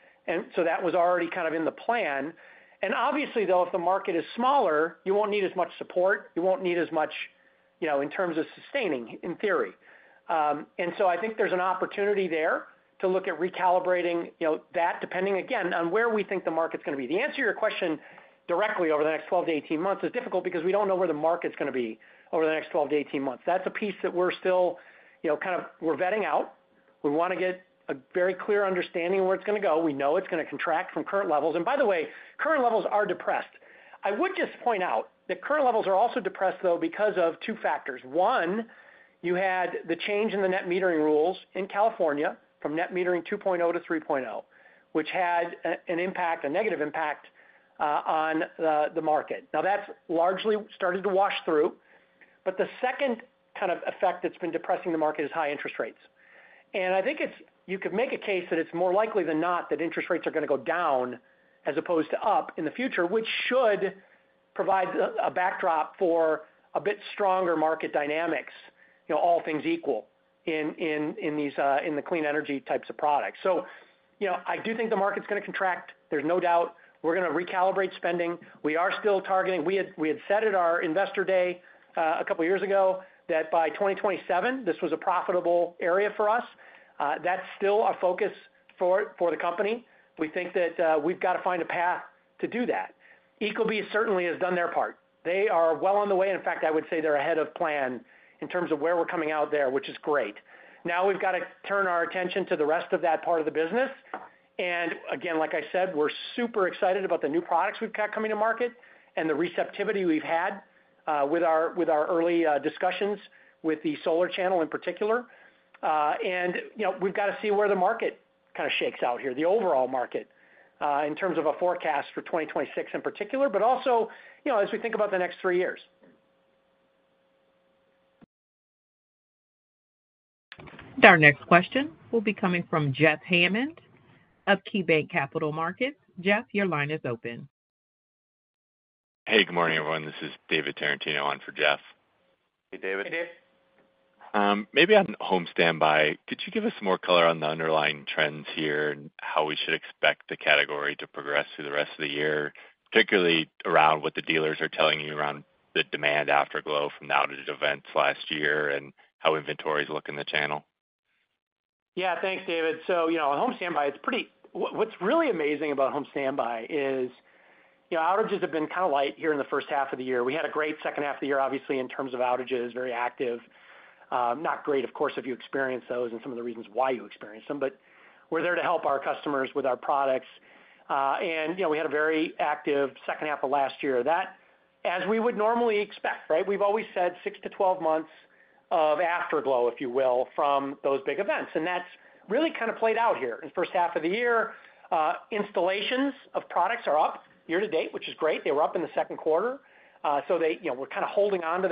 That was already kind of in the plan. Obviously though, if the market is smaller, you won't need as much support, you won't need as much, you know, in terms of sustaining, in theory. I think there's an opportunity there to look at recalibrating, you know, that depending again on where we think the market's going to be. The answer to your question directly over the next 12-18 months is difficult because we don't know where the market's going to be over the next 12-18 months. That's a piece that we're still, you know, kind of vetting out. We want to get a very clear understanding of where it's going to go. We know it's going to contract from current levels. By the way, current levels are depressed. I would just point out that current levels are also depressed though, because of two factors. One, you had the change in the net metering rules in California from Net Metering 2.0 to 3.0, which had an impact, a negative impact on the market. Now that's largely started to wash through. The second kind of effect that's been depressing the market is high interest rates. I think you could make a case that it's more likely than not that interest rates are going to go down as opposed to up in the future, which should provide a backdrop for a bit stronger Market Dynamics, you know, all things equal in the clean energy types of products. I do think the market's going to contract. There's no doubt we're going to recalibrate spending. We are still targeting. We had said at our investor day a couple years ago that by 2027 this was a profitable area for us. That's still a focus for the company. We think that we've got to find a path to do that. ecobee certainly has done their part. They are well on the way. In fact, I would say they're ahead of plan in terms of where we're coming out there, which is great. Now we've got to turn our attention to the rest of that part of the business. Again, like I said, we're super excited about the new products we've got coming to market and the receptivity we've had with our early discussions with the Solar Channel in particular. We've got to see where the market kind of shakes out here, the overall market in terms of a forecast for 2026 in particular, but also as we think about the next three years. Our next question will be coming from Jeff Hammond of KeyBanc Capital Markets. Jeff, your line is open. Hey, good morning, everyone. This is David Tarantino on for Jeff. Hey, David, Maybe on Home Standby, could you give us more color on the underlying trends here and how we should expect the category to progress through the rest of the year, particularly around what the dealers are telling you around the demand afterglow from the outage events last year and how inventories look in the channel. Yeah, thanks, David. You know, Home Standby, it's pretty. What's really amazing about Home Standby is, you know, outages have been kind of light here in the first half of the year. We had a great second half of the year, obviously in terms of outages, very active, not great, of course, if you experience those and some of the reasons why you experience them. We're there to help our customers with our products. You know, we had a very active second half of last year that, as we would normally expect right. We've always said six to 12 months of afterglow, if you will, from those big events. And that's really kind of played out here in the first half of the year. Installations of products are up year to date, which is great. They were up in the second quarter. They, you know, we're kind of holding onto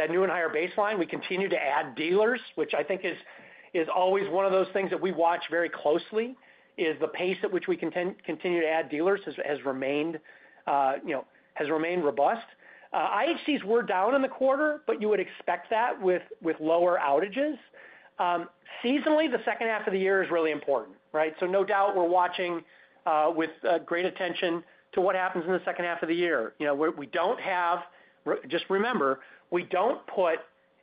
that new and higher baseline. We continue to add dealers, which I think is always one of those things that we watch very closely. The pace at which we continue to add dealers has remained robust. IHCs were down in the quarter, but you would expect that with lower outages seasonally. The second half of the year is really important. Right. No doubt we're watching with great attention to what happens in the second half of the year. You know, we don't have, just remember, we don't put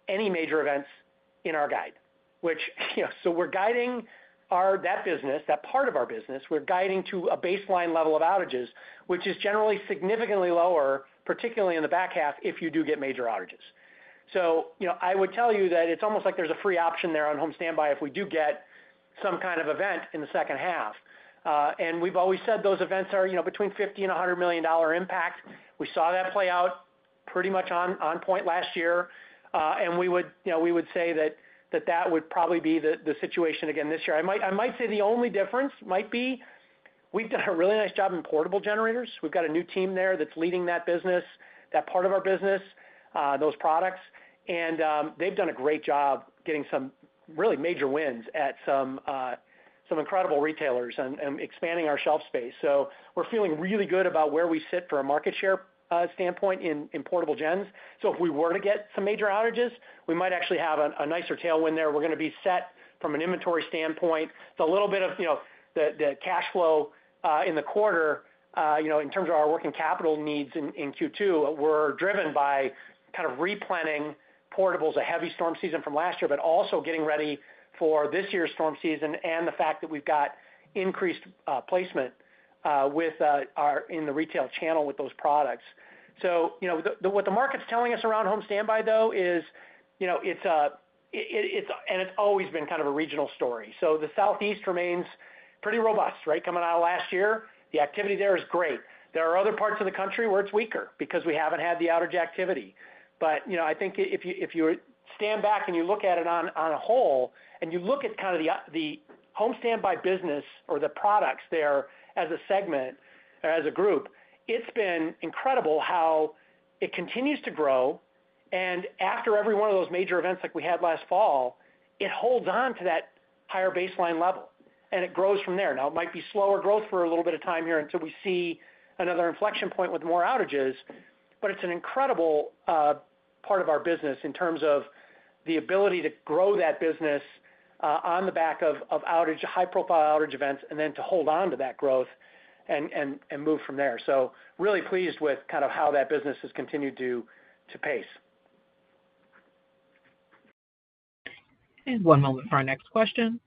any major events in our guide. We're guiding that business, that part of our business. We're guiding to a baseline level of outages, which is generally significantly lower, particularly in the back half if you do get major outages. I would tell you that it's almost like there's a free option there on Home Standby if we do get some kind of event in the second half. We've always said those events are between $50 million and $100 million impact. We saw that play out pretty much on point last year. We would say that that would probably be the situation again this year. I might say the only difference might be we've done a really nice job in Portable Generators. We've got a new team there that's leading that business, that part of our business, those products, and they've done a great job getting some really major wins at some incredible retailers and expanding our shelf space. We're feeling really good about where we sit from a market share standpoint in portable gens. If we were to get some major outages, we might actually have a nicer tailwind there. We're going to be set from an inventory standpoint. A little bit of the cash flow in the quarter in terms of our working capital needs in Q2 were driven by kind of replanting portables, a heavy storm season from last year, but also getting ready for this year's storm season and the fact that we've got increased placement in the retail channel with those products. What the market's telling us around Home Standby though is, and it's always been kind of a regional story. The Southeast remains pretty robust coming out of last year. The activity there is great. There are other parts of the country where it's weaker because we haven't had the outage activity, but I think if you stand back and you look at it on a whole and you look at kind of the Home Standby business or the products there as a segment, as a group, it's been incredible how it continues to grow. After every one of those major events like we had last fall, it holds on to that higher baseline level and it grows from there. Now it might be slower growth for a little bit of time here until we see another inflection point with more outages, but it's an incredible part of our business in terms of the ability to grow that business on the back of outage, high profile outage events and then to hold on to that growth and move from there. Really pleased with kind of how that business has continued to pace. One moment for our next question.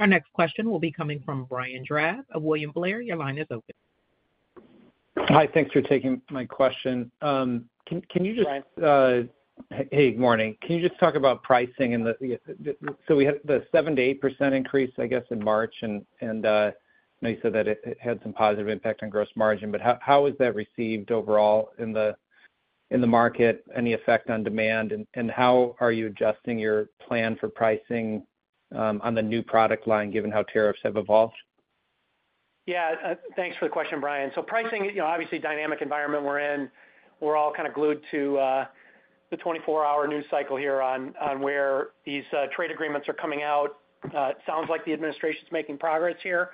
Our next question will be coming from Brian Drab of William Blair. Your line is open. Hi, thanks for taking my question. Can you just? Hey, morning. Can you just talk about pricing? We had the 7-8% increase, I guess in March. You said that it had some positive impact on gross margin, but how is that received overall in the market? Any effect on demand? How are you adjusting your plan for pricing on the new product line given how tariffs have evolved? Yes, thanks for the question, Brian. So pricing, obviously dynamic environment we're in. We're all kind of glued to the 24 hour news cycle here on where these trade agreements are coming out. It sounds like the administration is making progress here.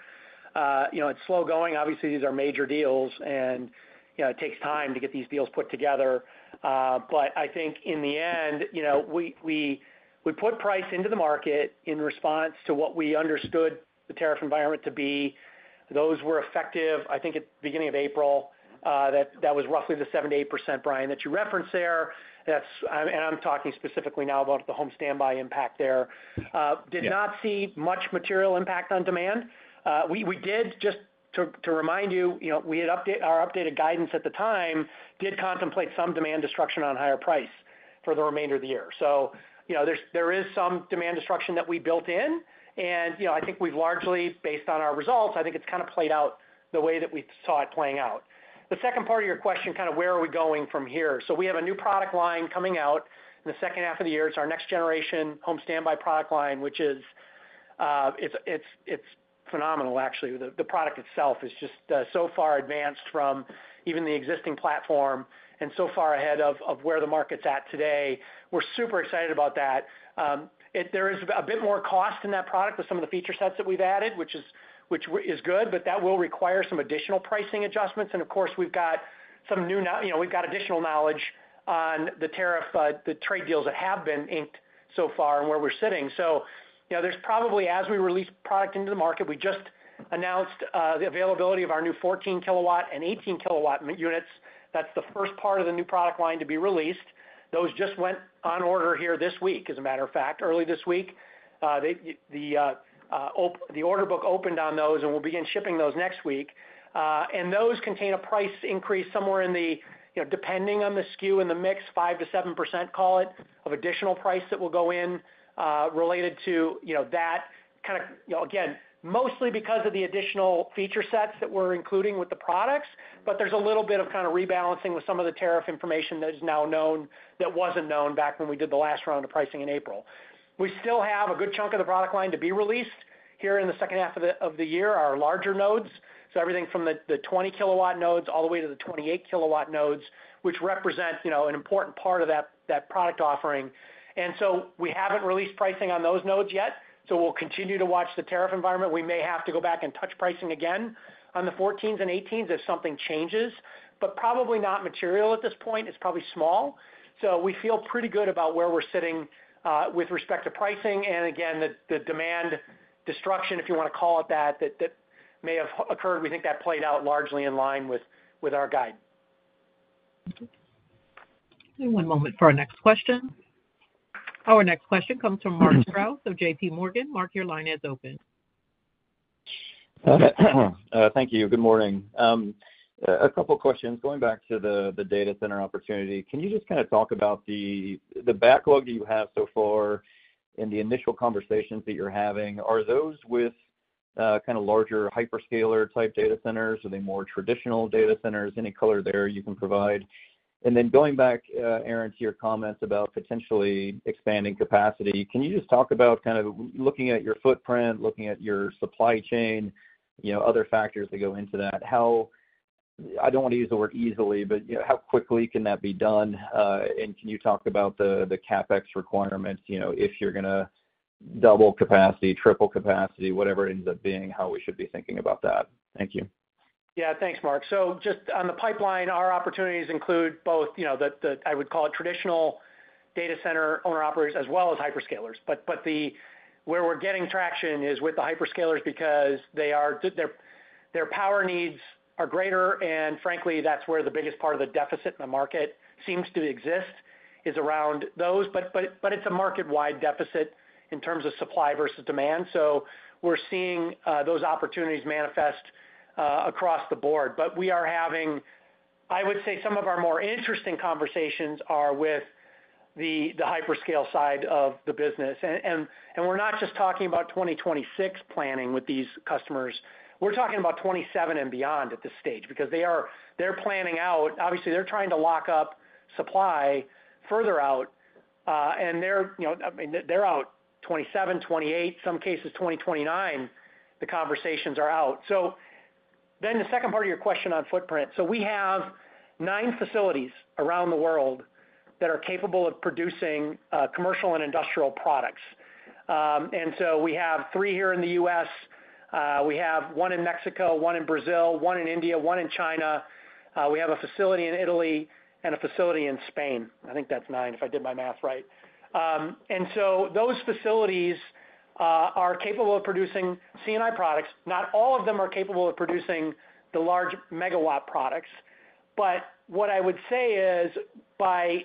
You know, it's slow going. Obviously these are major deals and it takes time to get these deals put together. But I think in the end we put price into the market in response to what we understood the tariff environment to be. Those were effective, I think at the beginning of April. That was roughly the 7-8% Brian that you referenced there. And I'm talking specifically now about the Home Standby impact there. Did not see much material impact on demand. We did, just to remind you our updated guidance at the time did contemplate some demand destruction on higher price for the remainder of the year. So there is some demand destruction that we built in. And I think we've largely based on our results, I think it's kind of played out the way that we saw it playing out. The second part of your question kind of, where are we going from here? So we have a new product line coming out in the second half of the year. It's our next generation Home Standby product line, which is phenomenal. Actually. The product itself is just so far advanced from even the existing platform and so far ahead of where the market's at today. We're super excited about that. There is a bit more cost in that product with some of the feature sets that we've added, which is good, but that will require some additional pricing adjustments. And of course we've got some new, you know, we've got additional knowledge on the tariff, the trade deals that have been inked so far and where we're sitting. So, you know, there's probably as we release product into the market, we just announced the availability of our new 14 kW and 18 kW Units. That's the first part of the new product line to be released. Those just went on order here this week. As a matter of fact, early this week. The order book opened on those and we'll begin shipping those next week. Those contain a price increase somewhere in the, depending on the SKU and the mix, 5-7% call it, of additional price that will go in related to that. Again, mostly because of the additional feature sets that we're including with the products. There's a little bit of kind of rebalancing with some of the tariff information that is now known that wasn't known back when we did the last round of pricing in April. We still have a good chunk of the product line to be released here in the second half of the year. Our larger nodes, so everything from the 20 kW Nodes all the way to the 28 kW Nodes, which represent an important part of that product offering. We haven't released pricing on those nodes yet. We'll continue to watch the tariff environment. We may have to go back and touch pricing again on the 14s and 18s if something changes, but probably not material at this point. It's probably small, so we feel pretty good about where we're sitting with respect to pricing. Again, the demand destruction, if you want to call it that, that may have occurred. We think that played out largely in line with our guide. One moment for our next question. Our next question comes from Mark Strouse of JPMorgan. Mark, your line is open. Thank you. Good morning. A couple questions going back to the Data Center opportunity. Can you just kind of talk about the backlog that you have so far in the initial conversations that you're having? Are those with kind of larger hyperscaler type Data Centers? Are they more traditional Data Centers? Any color there you can provide. Going back, Aaron, to your comments about potentially expanding capacity. Can you just talk about kind of looking at your footprint, looking at your supply chain, you know, other factors that go into that, how, I don't want to use the word easily, but how quickly can that be done? Can you talk about the CapEx requirements? You know, if you're going to double capacity, triple capacity, whatever it ends up being, how we should be thinking about that. Thank you. Yeah, thanks, Mark. Just on the pipeline, our opportunities include both, you know, I would call it traditional Data Center owner operators as well as hyperscalers. Where we're getting traction is with the hyperscalers because their power needs are greater and frankly that's where the biggest part of the deficit in the market seems to exist, is around those. It's a market wide deficit in terms of supply versus demand. We're seeing those opportunities manifest across the board. I would say some of our more interesting conversations are with the hyperscale side of the business. We're not just talking about 2026 planning with these customers, we're talking about 2027 and beyond at this stage because they're planning out, obviously they're trying to lock up supply further out and they're, you know, they're out 2027, 2028, in some cases 2029, the conversations are out. The second part of your question on footprint. We have nine facilities around the world that are capable of producing commercial and industrial products. We have three here in the U.S., one in Mexico, one in Brazil, one in India, one in China, a facility in Italy, and a facility in Spain. I think that's nine if I did my math right. Those facilities are capable of producing C&I Products. Not all of them are capable of producing the large MW Products. What I would say is by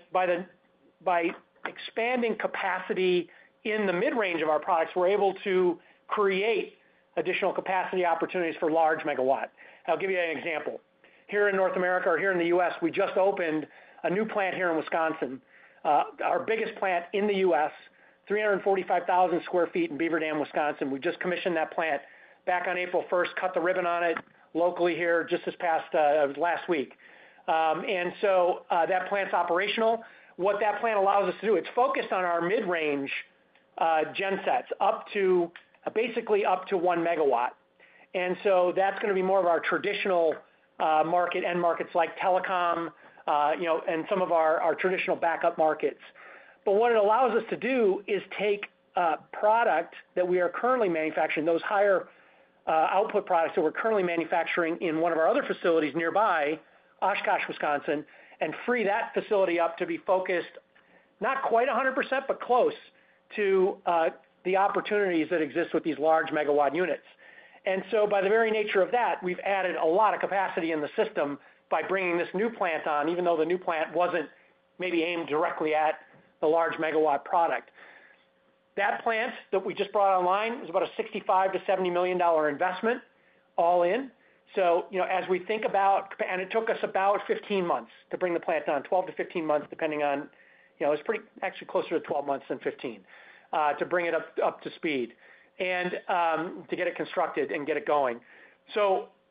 expanding capacity in the mid range of our products, we're able to create additional capacity opportunities for large MW. I'll give you an example here in North America or here in the U.S. We just opened a new plant here in Wisconsin, our biggest plant in the U.S., 345,000 sq ft in Beaver Dam, Wisconsin. We just commissioned that plant back on April 1st, cut the ribbon on it locally here just this past last week. That plant's operational. What that plant allows us to do, it's focused on our mid range gensets up to basically up to 1 MW. That's going to be more of our traditional market end markets like telecom and some of our traditional backup markets. What it allows us to do is take product that we are currently manufacturing, those higher output products that we're currently manufacturing in one of our other facilities nearby Oshkosh, Wisconsin, and free that facility up to be focused, not quite 100%, but close to the opportunities that exist with these Large MW units. By the very nature of that, we've added a lot of capacity in the system by bringing this new plant on, even though the new plant wasn't maybe aimed directly at the large MW product. That plant that we just brought online is about a $65 million-$70 million investment all in. So, you know, as we think about, and it took us about 15 months to bring the plant down, 12-15 months depending on, you know, it's pretty actually closer to 12 months than 15 to bring it up to speed and to get it constructed and get it going.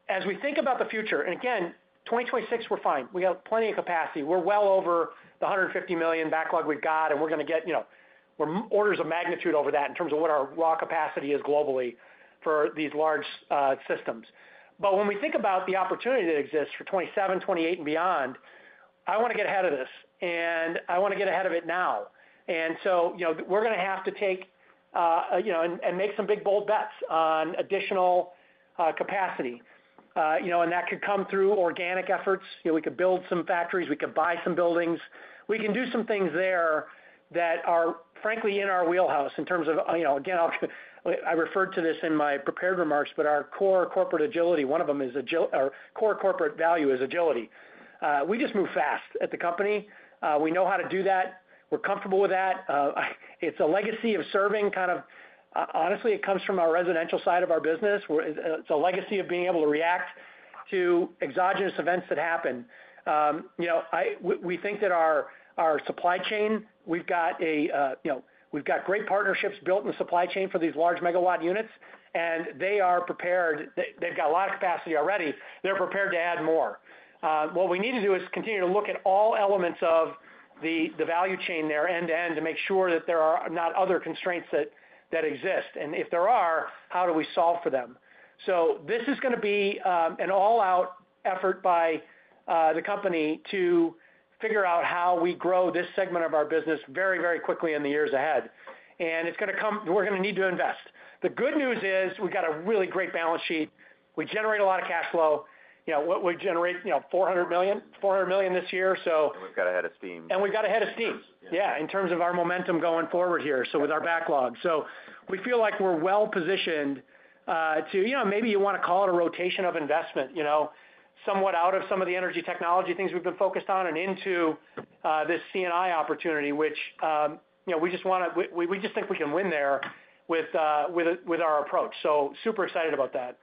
As we think about the future, and again, 2026, we're fine. We have plenty of capacity. We're well over the $150 million backlog we've got. We're going to get, you know, we're orders of magnitude over that in terms of what our raw capacity is globally for these large systems. When we think about the opportunity that exists for 2027, 2028 and beyond, I want to get ahead of this and I want to get ahead of it now. You know, we're going to have to take, you know, and make some big bold bets on additional capacity, you know, and that could come through organic efforts. We could build some factories, we could buy some buildings. We can do some things there that are frankly in our wheelhouse in terms of, you know, again, I referred to this in my prepared remarks. Our Core corporate agility, one of them is our Core corporate value is agility. We just move fast at the company. We know how to do that. We're comfortable with that. It's a legacy of serving kind of honestly. It comes from our residential side of our business. It's a legacy of being able to react to exogenous events that happen. We think that our supply chain, we've got a, you know, we've got great partnerships built in the supply chain for these large MW units. They are prepared, they've got a lot of capacity already. They're prepared to add more. What we need to do is continue to look at all elements of the value chain there end to end to make sure that there are not other constraints that exist. If there are, how do we solve for them. This is going to be an all out effort by the company to figure out how we grow this segment of our business very, very quickly in the years ahead. It's going to come. We're going to need to invest. The good news is we've got a really great balance sheet. We generate a lot of Cash Flow. You know, we generate, you know, $400 million, $400 million this year. We've got a head of steam. We've got a head of steam, yeah. In terms of our momentum going forward here, with our backlog, we feel like we're well positioned to, you know, maybe you want to call it a rotation of investment, you know, somewhat out of some of the energy technology things we've been focused on and into this C&I opportunity, which, you know, we just want to, we just think we can win there with our approach. Super excited about that.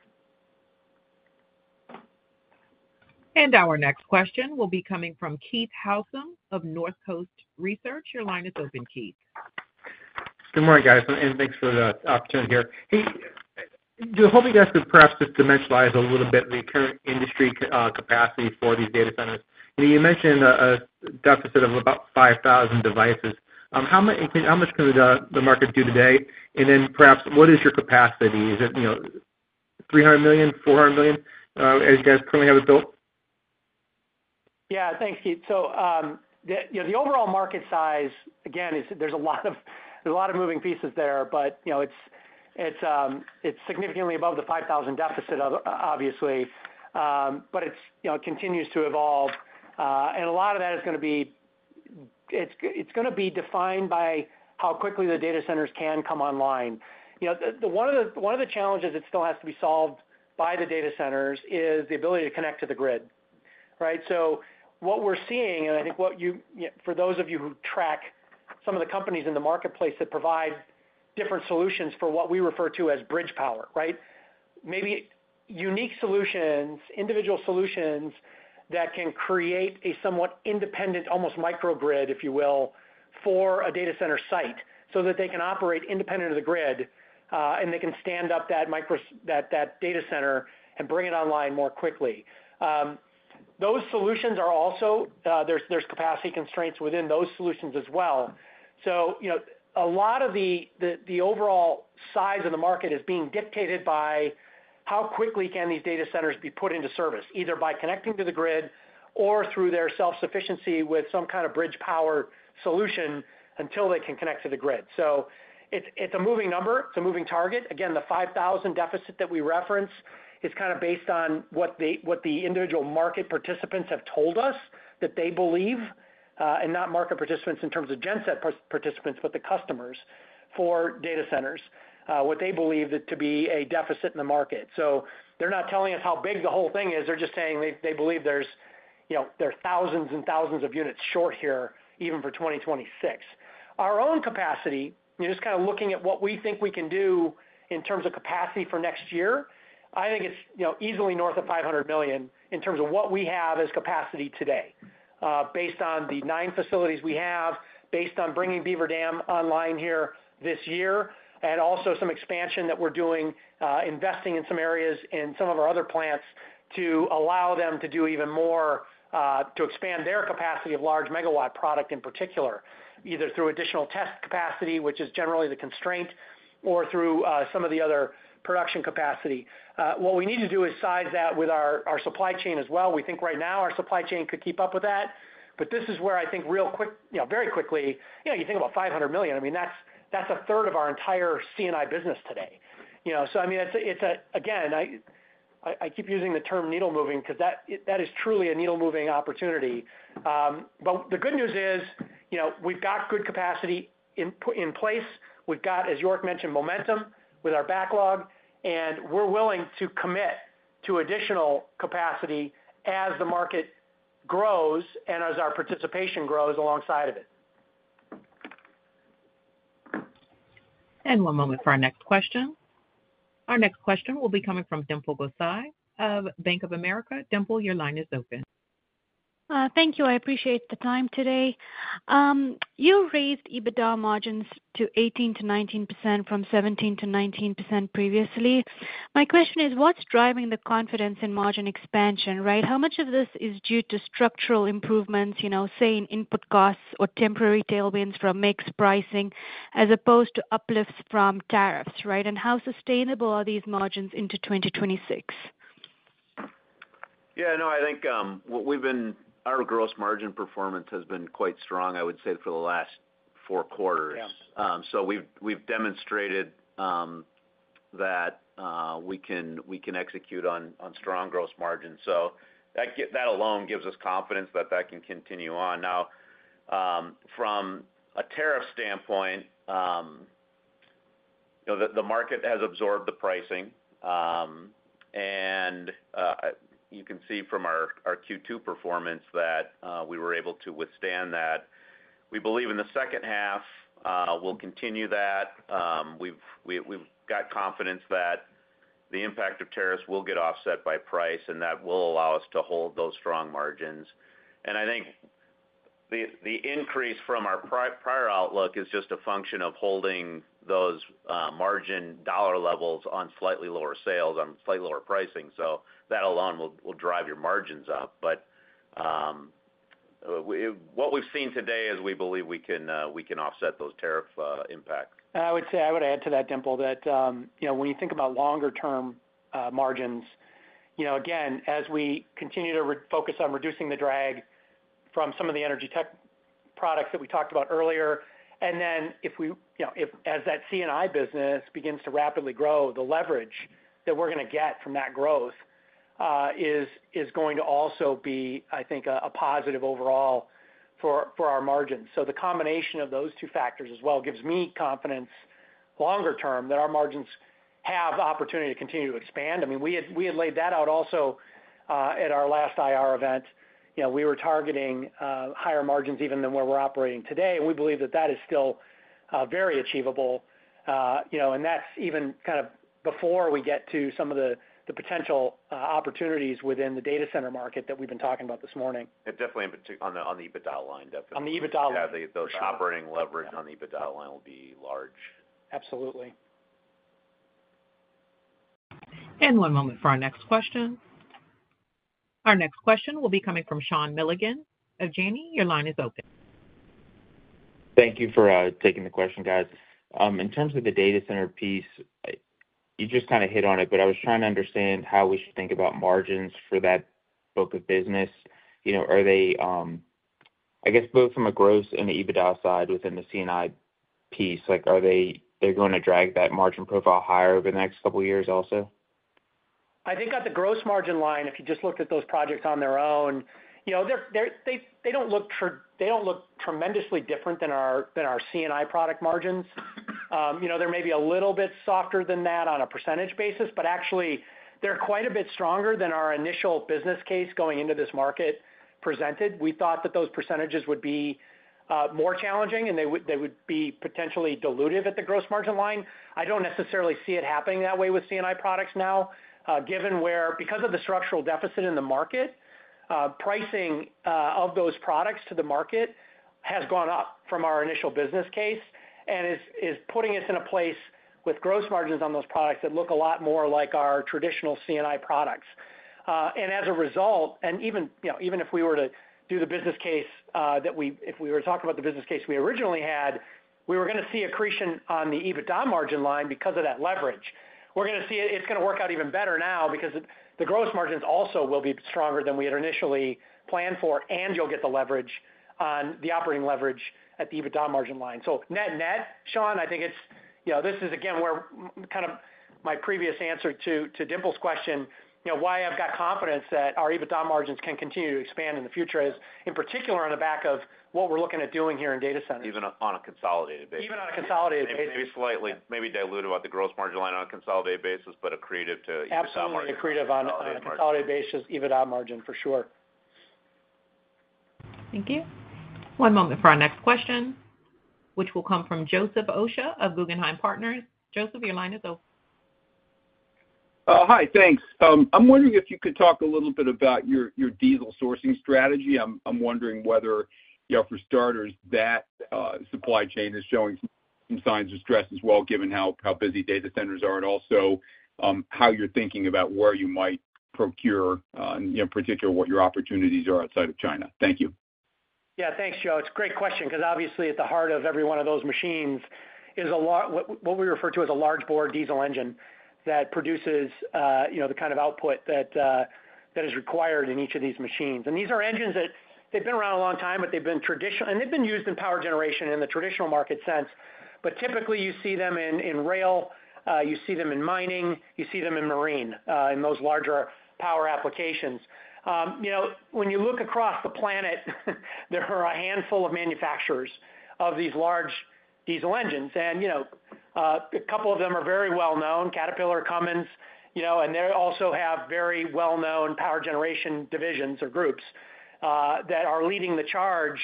Our next question will be coming from Keith Housum of Northcoast Research. Your line is open. Keith. Good morning guys and thanks for the opportunity here. I hope you guys could perhaps just dimensionalize a little bit the current industry capacity for these Data Centers. You mentioned a deficit of about 5,000 devices. How much can the market do today? Perhaps what is your capacity? Is it $300 million, $400 million as you guys currently have it built? Yeah. Thanks, Keith. The overall market size, again, there's a lot of moving pieces there, but it's significantly above the 5,000 deficit obviously. It continues to evolve and a lot of that is going to be, it's going to be defined by how quickly the Data Centers can come online. One of the challenges that still has to be solved by the Data Centers is the ability to connect to the grid. Right. What we're seeing, and I think what you, for those of you who track some of the companies in the marketplace that provide different solutions for what we refer to as Bridge Power, right, maybe unique solutions, individual solutions that can create a somewhat independent, almost micro grid, if you will, for a Data Center site so that they can operate independent of the grid and they can stand up that Data Center and bring it online more quickly. Those solutions are also, there's capacity constraints within those solutions as well. A lot of the overall size of the market is being dictated by how quickly these Data Centers can be put into service either by connecting to the grid or through their self-sufficiency with some kind of Bridge Power solution until they can connect to the grid. It's a moving number. It's a moving target. Again, the 5,000 deficit that we reference is kind of based on what the individual market participants have told us that they believe. Not market participants in terms of genset participants, but the customers for Data Centers, what they believe to be a deficit in the market. They're not telling us how big the whole thing is. They're just saying they believe there are thousands and thousands of units short here even for 2026. Our own capacity, just kind of looking at what we think we can do in terms of capacity for next year, I think it's easily north of $500 million in terms of what we have as capacity today based on the nine facilities we have, based on bringing Beaver Dam online here this year, and also some expansion that we're doing, investing in some areas and some of our other plants to allow them to do even more to expand their capacity of large MW product in particular, either through additional test capacity, which is generally the constraint, or through some of the other production capacity. What we need to do is size that with our supply chain as well. We think right now our supply chain could keep up with that. This is where I think real quick, very quickly, you think about $500 million. I mean, that's a third of our entire C&I business today. I mean, it's a, again, I keep using the term needle moving because that is truly a needle moving opportunity. The good news is we've got good capacity in place. We've got, as York mentioned, momentum with our backlog and we're willing to commit to additional capacity as the market grows and as our participation grows alongside of it. One moment for our next question. Our next question will be coming from Dimple Gosai of Bank of America. Dimple, your line is open. Thank you. I appreciate the time. Today you raised EBITDA Margins to 18%-19% from 17%-19% previously. My question is what's driving the confidence in margin expansion? Right. How much of this is due to structural improvements, say in input costs or temporary tailwinds from mix pricing as opposed to uplifts from tariffs? Right. And how sustainable are these margins into 2026? Yeah, no, I think we've been. Our Gross Margin performance has been quite strong, I would say for the last four quarters. We've demonstrated that we can execute on strong Gross Margins. That alone gives us confidence that that can continue on. Now, from a tariff standpoint, the market has absorbed the pricing and you can see from our Q2 performance that we were able to withstand that. We believe in the second half we'll continue that. We've got confidence that the impact of tariffs will get offset by price and that will allow us to hold those strong margins. I think the increase from our prior outlook is just a function of holding those margin dollar levels on slightly lower sales, on slightly lower pricing. That alone will drive your margins up. What we've seen today is we believe we can offset those tariff impacts. I would say, I would add to that, Dimple, that when you think about longer term margins, again, as we continue to focus on reducing the drag from some of the energy tech products that we talked about earlier. If we, as that C&I business begins to rapidly grow, the leverage that we're going to get from that growth is going to also be, I think, a positive overall for our margin. The combination of those two factors as well gives me confidence longer term that our margins have opportunity to continue to expand. I mean, we had laid that out also at our last IR Event, we were targeting higher margins even than where we're operating today. We believe that that is still very achievable. That's even kind of before we get to some of the potential opportunities within the Data Center market that we've been talking about this morning. Definitely on the EBITDA line. Definitely on the EBITDA line. Yeah. Those operating leverage on the EBITDA, the dotted line will be large. Absolutely. One moment for our next question. Our next question will be coming from Sean Milligan of Janney, your line is open. Thank you for taking the question, guys. In terms of the Data Center piece, you just kind of hit on it. But I was trying to understand how we should think about margins for that book of business. You know, are they, I guess both from a gross and EBITDA side within the C&I piece, like are they going to drag that margin profile higher over the next couple years? Also, I think at the gross margin line, if you just looked at those projects on their own, they do not look tremendously different than our C&I Product Margins. They are maybe a little bit softer than that on a percentage basis, but actually they are quite a bit stronger than our initial business case going into this market presented. We thought that those percentages would be more challenging and they would be potentially dilutive at the gross margin line. I do not necessarily see it happening that way with C&I Products. Now, given where because of the structural deficit in the market, pricing of those products to the market has gone up from our initial business case and is putting us in a place with gross margins on those products that look a lot more like our traditional C&I Products. As a result, and even if we were to do the business case that we, if we were to talk about the business case we originally had, we were going to see accretion on the EBITDA Margin line because of that leverage, we are going to see it is going to work out even better now because the gross margins also will be stronger than we had initially planned for and you will get the leverage on the operating leverage at the EBITDA Margin line. Net net, Sean, I think it is, you know, this is again where kind of my previous answer to Dimple's question, why I have got confidence that our EBITDA Margins can continue to expand in the future is in particular on the back of what we are looking at doing here in Data Centers. Even on a consolidated basis. Even on a consolidated basis. Maybe diluted about the gross margin line on a consolidated basis, but accretive to. Absolutely accretive on a consolidated basis. EBITDA Margin for sure. Thank you. One moment for our next question, which will come from Joseph Osha of Guggenheim Partners. Joseph, your line is over. Hi. Thanks. I'm wondering if you could talk a little bit about your diesel sourcing strategy. I'm wondering whether, for starters, that supply chain is showing some signs of stress as well, given how busy Data Centers are and also how you're thinking about where you might procure, in particular what your opportunities are outside of China. Thank you. Yeah, thanks, Joe. It's a great question because obviously at the heart of every one of those machines is what we refer to as a large bore diesel engine that produces the kind of output that is required in each of these machines. These are engines that have been around a long time, but they've been traditional and they've been used in Power generation in the traditional market sense. Typically you see them in Rail, you see them in Mining, you see them in Marine, in those larger power applications. You know, when you look across the planet, there are a handful of manufacturers of these large diesel engines. You know, a couple of them are very well known, Caterpillar, Cummins, you know, and they also have very well known power generation divisions or groups that are leading the charge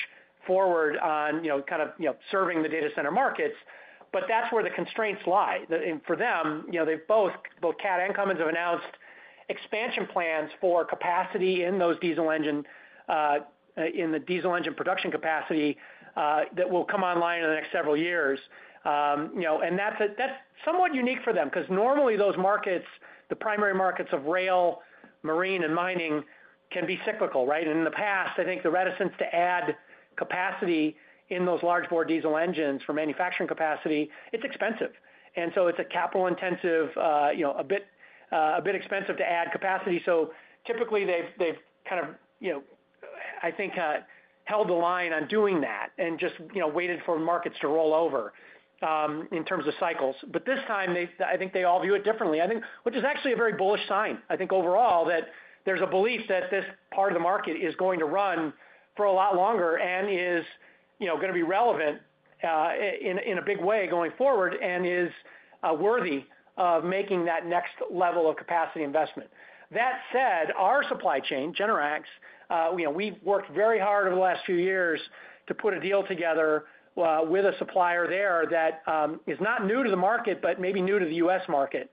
forward on, you know, kind of, you know, serving the Data Center markets. That's where the constraints lie. For them, both Cat and Cummins have announced expansion plans for capacity in those diesel engine, in the diesel engine production capacity that will come online in the next several years, you know, and that's somewhat unique for them because normally those markets, the primary markets of rail, marine and mining can be cyclical. Right. In the past, I think the reticence to add capacity in those large bore diesel engines for manufacturing capacity, it's expensive and so it's a capital intensive, a bit expensive to add capacity. Typically they've kind of, I think, held the line on doing that and just waited for markets to roll over in terms of cycles. This time I think they all view it differently, which is actually a very bullish sign. I think overall that there's a belief that this part of the market is going to run for a lot longer and is going to be relevant in a big way going forward and is worthy of making that next level of capacity investment. That said, our Supply Chain, Generac's, we've worked very hard over the last few years to put a deal together with a supplier there that is not new to the market, but maybe new to the U.S. Market.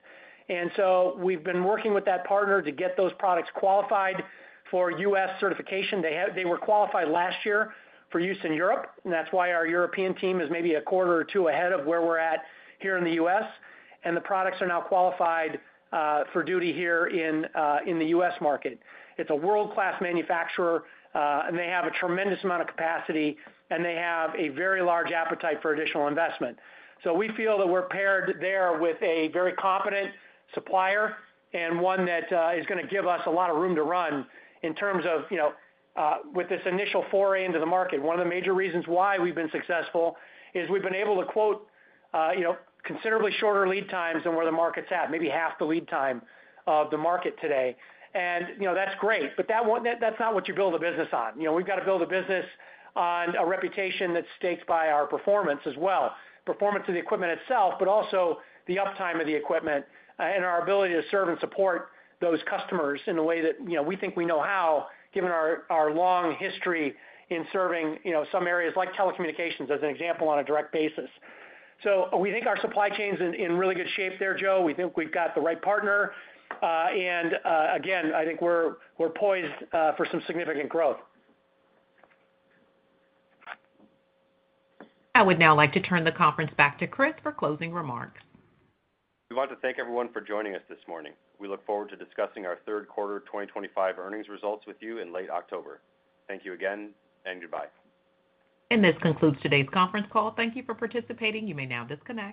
We've been working with that partner to get those products qualified for U.S. Certification. They were qualified last year for use in Europe and that's why our European team is maybe a quarter or two ahead of where we're at here in the U.S. and the products are now qualified for duty here in the U.S. market. It's a world-class manufacturer and they have a tremendous amount of capacity and they have a very large appetite for additional investment. We feel that we're paired there with a very competent supplier and one that is going to give us a lot of room to run in terms of. With this initial foray into the market, one of the major reasons why we've been successful is we've been able to quote considerably shorter lead times than where the market's at, maybe half the lead time of the market today. That's great, but that's not what you build a business on. We've got to build a business on a reputation that's staked by our performance as well. Performance of the equipment itself, but also the uptime of the equipment and our ability to serve and support those customers in a way that we think we know how, given our long history in serving some areas like telecommunications as an example, on a direct basis. We think our supply chain is in really good shape there, Joe. We think we've got the right partner and again, I think we're poised for some significant growth. I would now like to turn the conference back to Kris for closing remarks. We want to thank everyone for joining us this morning. We look forward to discussing our third quarter 2025 earnings results with you in late October. Thank you again and goodbye. This concludes today's conference call. Thank you for participating. You may now disconnect.